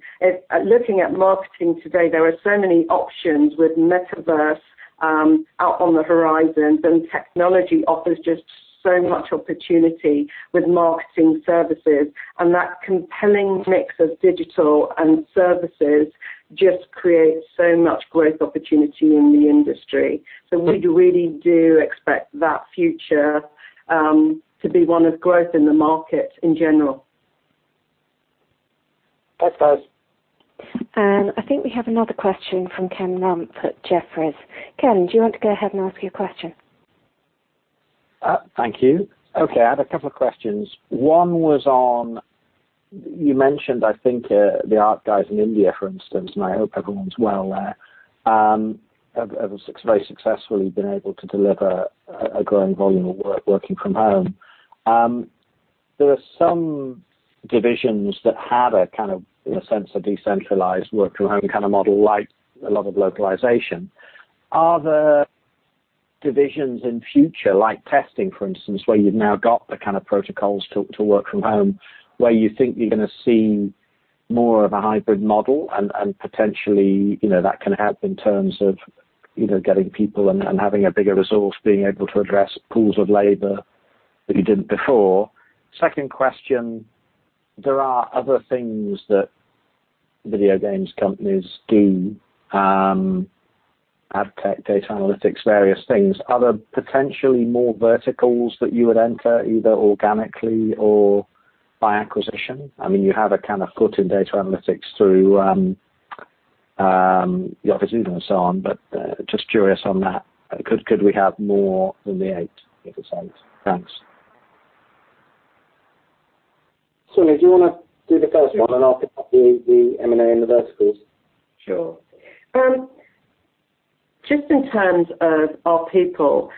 Looking at marketing today, there are so many options with metaverse out on the horizon, technology offers just so much opportunity with marketing services, that compelling mix of digital and services just creates so much growth opportunity in the industry. We really do expect that future to be one of growth in the market in general. Thanks, guys. I think we have another question from Ken Rumph at Jefferies. Ken, do you want to go ahead and ask your question? Thank you. Okay. I had a couple of questions. One was on. You mentioned, I think, the art guys in India, for instance, and I hope everyone's well there. Have very successfully been able to deliver a growing volume of work working from home. There are some divisions that had a kind of, in a sense, a decentralized work from home kind of model, like a lot of localization. Are there divisions in future, like testing, for instance, where you've now got the kind of protocols to work from home, where you think you're gonna see more of a hybrid model and potentially, you know, that can help in terms of, you know, getting people and having a bigger resource, being able to address pools of labor that you didn't before? Second question, there are other things that video games companies do, ad tech, data analytics, various things. Are there potentially more verticals that you would enter either organically or by acquisition? I mean, you have a kind of foot in data analytics through the offices and so on, just curious on that. Could we have more than the [8 that were said]? Thanks. Sonia, do you wanna do the first one, and I'll pick up the M&A and the verticals? Sure. Just in terms of our people,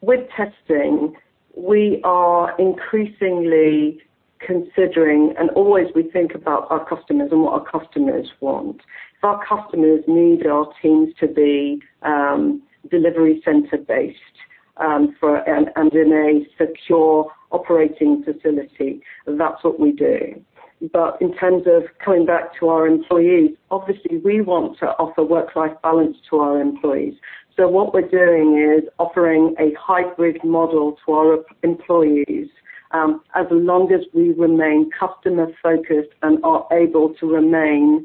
with testing, we are increasingly considering, and always we think about our customers and what our customers want. If our customers need our teams to be delivery center-based, and in a secure operating facility, that's what we do. In terms of coming back to our employees, obviously, we want to offer work-life balance to our employees. What we're doing is offering a hybrid model to our employees, as long as we remain customer-focused and are able to remain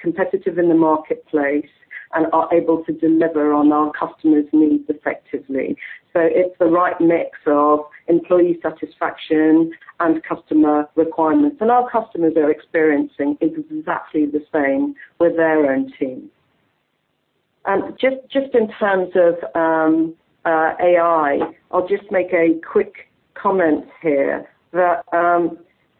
competitive in the marketplace and are able to deliver on our customers' needs effectively. It's the right mix of employee satisfaction and customer requirements. Our customers are experiencing exactly the same with their own teams. Just in terms of AI, I'll just make a quick comment here that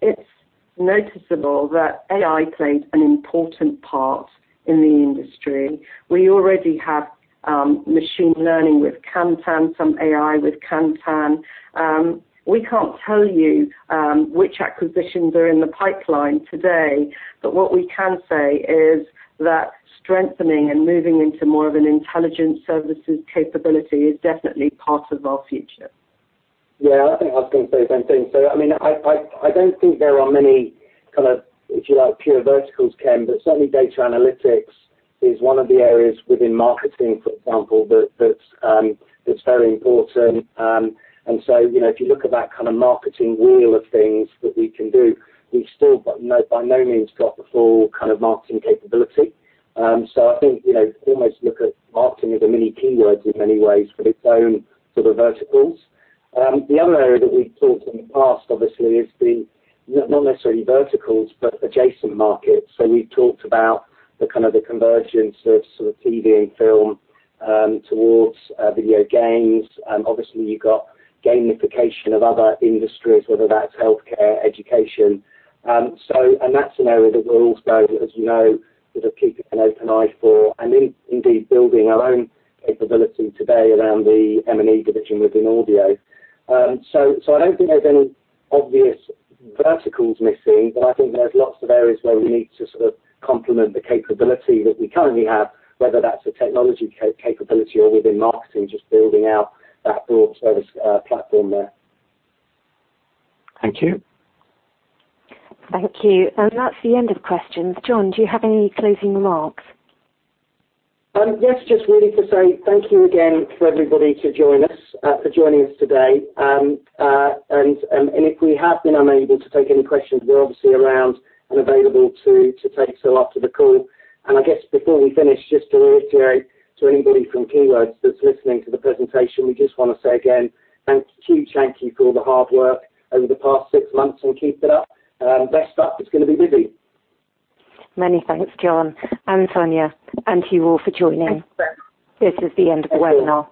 it's noticeable that AI plays an important part in the industry. We already have machine learning with Kantan, some AI with Kantan. We can't tell you which acquisitions are in the pipeline today. What we can say is that strengthening and moving into more of an intelligent services capability is definitely part of our future. Yeah. I think I was gonna say the same thing. I don't think there are many kind of, if you like, pure verticals, Ken, but certainly data analytics is one of the areas within marketing, for example, that's very important. You know, if you look at that kind of marketing wheel of things that we can do, we've still got by no means got the full kind of marketing capability. I think, you know, almost look at marketing as a mini Keywords in many ways with its own sort of verticals. The other area that we've talked in the past, obviously, is the not necessarily verticals, but adjacent markets. We've talked about the kind of the convergence of sort of TV and film towards video games. Obviously you've got gamification of other industries, whether that's healthcare, education. That's an area that we're also, as you know, sort of keeping an open eye for and indeed building our own capability today around the M&E division within audio. I don't think there's any obvious verticals missing, but I think there's lots of areas where we need to sort of complement the capability that we currently have, whether that's a technology capability or within marketing, just building out that broad service platform there. Thank you. Thank you. That's the end of questions. Jon, do you have any closing remarks? Yes, just really to say thank you again for everybody to join us for joining us today. If we have been unable to take any questions, we're obviously around and available to take so after the call. I guess before we finish, just to reiterate to anybody from Keywords that's listening to the presentation, we just wanna say again, thank you. Huge thank you for all the hard work over the past six months, and keep it up. Rest up. It's gonna be busy. Many thanks, Jon and Sonia, and to you all for joining. Thanks, Tamsin. This is the end of the webinar.